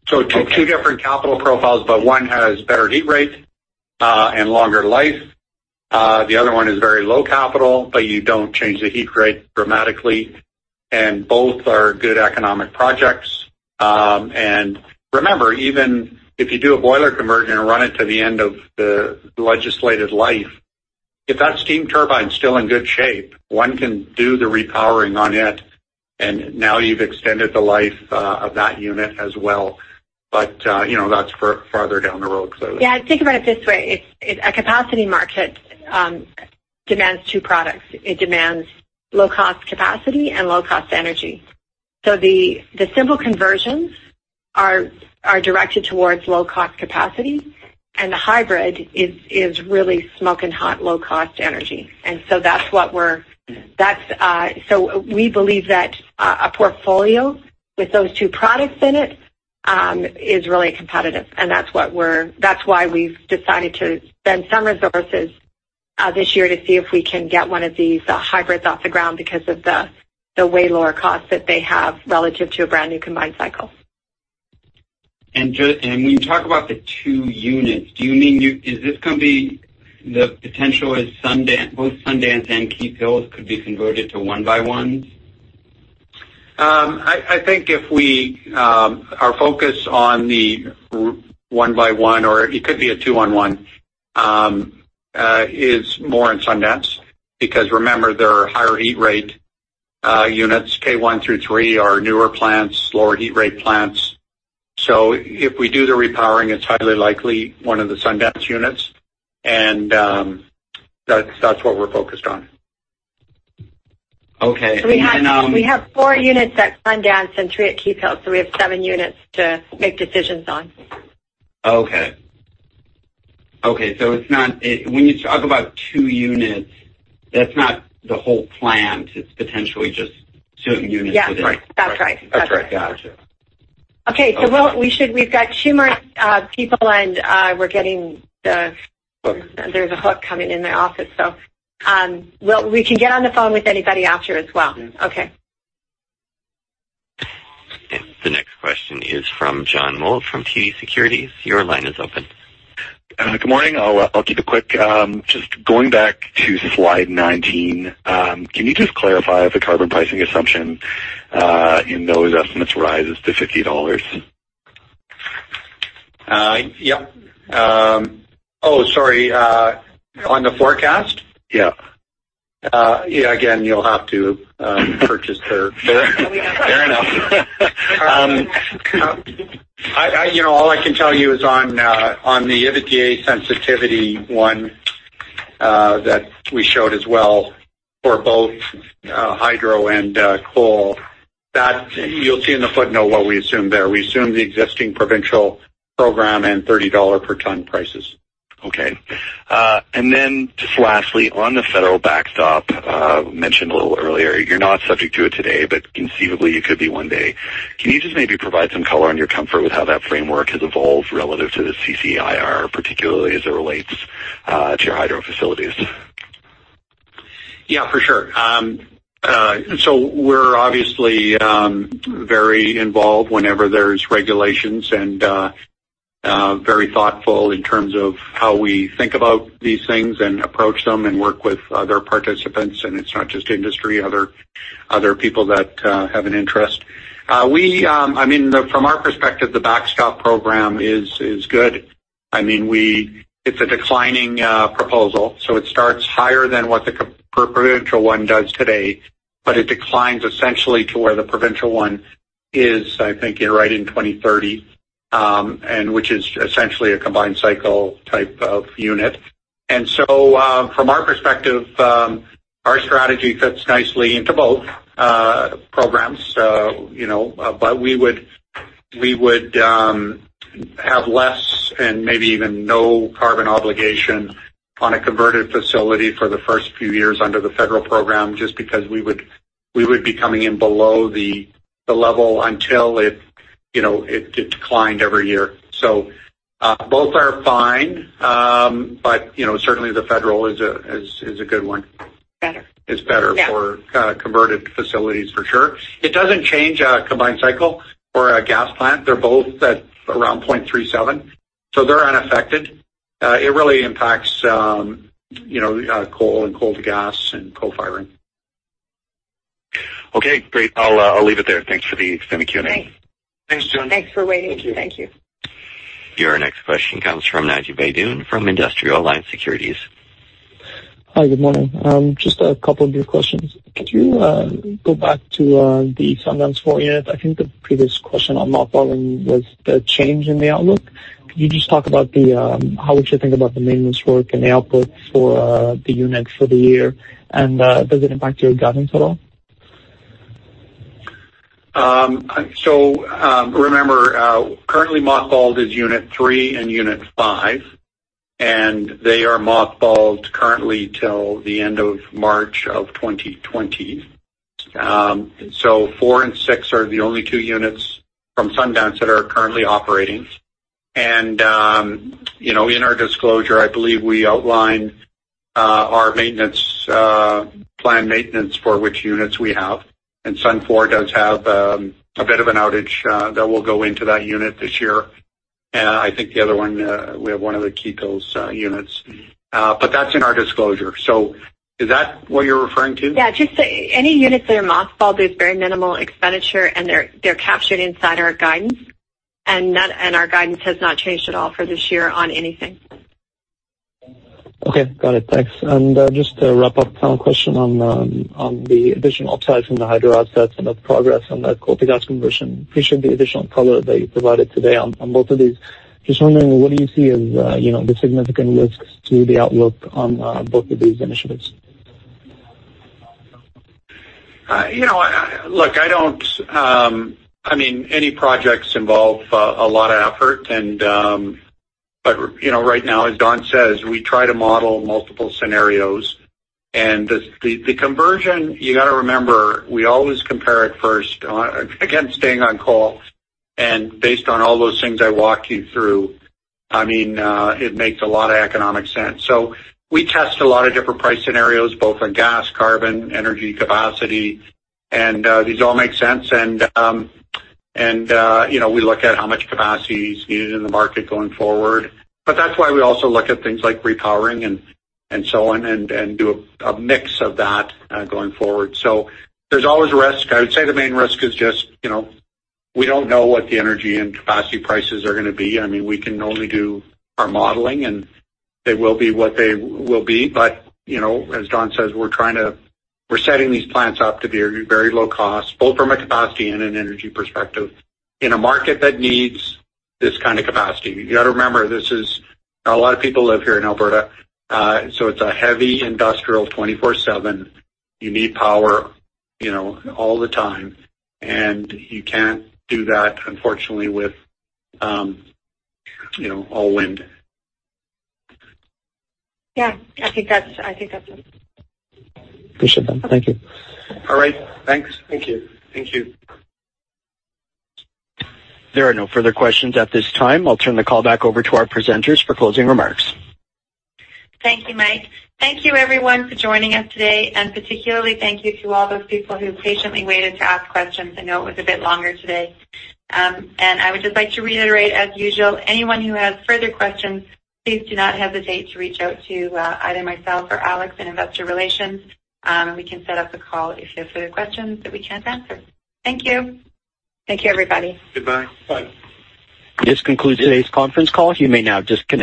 Two different capital profiles, but one has better heat rate and longer life. The other one is very low capital, but you don't change the heat rate dramatically. Both are good economic projects. Remember, even if you do a boiler conversion and run it to the end of the legislated life, if that steam turbine's still in good shape, one can do the repowering on it, and now you've extended the life of that unit as well. That's farther down the road, clearly. Think about it this way. A capacity market demands two products. It demands low-cost capacity and low-cost energy. The simple conversions are directed towards low-cost capacity, and the hybrid is really smoking hot low-cost energy. We believe that a portfolio with those two products in it is really competitive, and that's why we've decided to spend some resources this year to see if we can get one of these hybrids off the ground because of the way lower cost that they have relative to a brand-new combined cycle. When you talk about the two units, is this going to be the potential is both Sundance and Keephills could be converted to one by one? I think our focus on the one by one, or it could be a two on one, is more on Sundance. Because remember, there are higher heat rate units. Keephills one through three are newer plants, lower heat rate plants. If we do the repowering, it's highly likely one of the Sundance units, and that's what we're focused on. Okay. We have four units at Sundance and three at Keephills, we have seven units to make decisions on. Okay. When you talk about two units, that's not the whole plant. It's potentially just certain units within. Yeah. That's right. That's right. Gotcha. Okay. We've got two more people, and There's a hook coming in the office. We can get on the phone with anybody after as well. Okay. The next question is from John Mould from TD Securities. Your line is open. Good morning. I'll keep it quick. Just going back to slide 19, can you just clarify if the carbon pricing assumption in those estimates rises to CAD 50? Yep. Oh, sorry. On the forecast? Yeah. Again, you'll have to purchase the Fair enough. All I can tell you is on the EBITDA sensitivity one that we showed as well for both hydro and coal, that you'll see in the footnote what we assume there. We assume the existing provincial program and 30 dollar per ton prices. Okay. Then just lastly, on the federal backstop mentioned a little earlier. You're not subject to it today, but conceivably, you could be one day. Can you just maybe provide some color on your comfort with how that framework has evolved relative to the CCIR, particularly as it relates to your hydro facilities? Yeah, for sure. We're obviously very involved whenever there's regulations and very thoughtful in terms of how we think about these things and approach them and work with other participants. It's not just industry, other people that have an interest. From our perspective, the backstop program is good. It's a declining proposal, so it starts higher than what the provincial one does today, but it declines essentially to where the provincial one is, I think, right in 2030, and which is essentially a combined cycle type of unit. From our perspective, our strategy fits nicely into both programs. We would have less and maybe even no carbon obligation on a converted facility for the first few years under the federal program, just because we would be coming in below the level until it declined every year. Both are fine. Certainly the federal is a good one. Better. It's better for converted facilities, for sure. It doesn't change a combined cycle or a gas plant. They're both at around 0.37, they're unaffected. It really impacts coal and coal to gas and co-firing. Okay, great. I'll leave it there. Thanks for the extended Q&A. Thanks, John. Thanks for waiting. Thank you. Your next question comes from Naji Beydoun from Industrial Alliance Securities. Hi, good morning. Just a couple of brief questions. Could you go back to the Sundance 4 Unit? I think the previous question on mothballing was the change in the outlook. Could you just talk about how we should think about the maintenance work and the outlook for the unit for the year, and does it impact your guidance at all? Remember, currently mothballed is Unit 3 and Unit 5, and they are mothballed currently till the end of March of 2020. 4 and 6 are the only 2 units from Sundance that are currently operating. In our disclosure, I believe we outlined our planned maintenance for which units we have. Sun 4 does have a bit of an outage that will go into that unit this year. I think the other one, we have one of the Keephills units. That's in our disclosure. Is that what you're referring to? Yeah, just any units that are mothballed, there's very minimal expenditure and they're captured inside our guidance. Our guidance has not changed at all for this year on anything. Okay. Got it. Thanks. Just to wrap up, final question on the additional updates on the hydro assets and the progress on the coal-to-gas conversion. Appreciate the additional color that you provided today on both of these. Just wondering, what do you see as the significant risks to the outlook on both of these initiatives? Look, any projects involve a lot of effort. Right now, as Dawn says, we try to model multiple scenarios. The conversion, you got to remember, we always compare it first against staying on coal. Based on all those things I walked you through, it makes a lot of economic sense. We test a lot of different price scenarios, both on gas, carbon, energy capacity, and these all make sense. We look at how much capacity is needed in the market going forward. That's why we also look at things like repowering and so on, and do a mix of that going forward. There's always a risk. I would say the main risk is just, we don't know what the energy and capacity prices are going to be. We can only do our modeling, and they will be what they will be. As Dawn says, we're setting these plants up to be very low cost, both from a capacity and an energy perspective, in a market that needs this kind of capacity. You got to remember, a lot of people live here in Alberta. It's a heavy industrial 24/7. You need power all the time, and you can't do that, unfortunately, with all wind. Yeah, I think that's it. Appreciate that. Thank you. All right, thanks. Thank you. Thank you. There are no further questions at this time. I'll turn the call back over to our presenters for closing remarks. Thank you, Mike. Thank you, everyone, for joining us today, and particularly thank you to all those people who patiently waited to ask questions. I know it was a bit longer today. I would just like to reiterate, as usual, anyone who has further questions, please do not hesitate to reach out to either myself or Alex in Investor Relations. We can set up a call if you have further questions that we can't answer. Thank you. Thank you, everybody. Goodbye. Bye. This concludes today's conference call. You may now disconnect.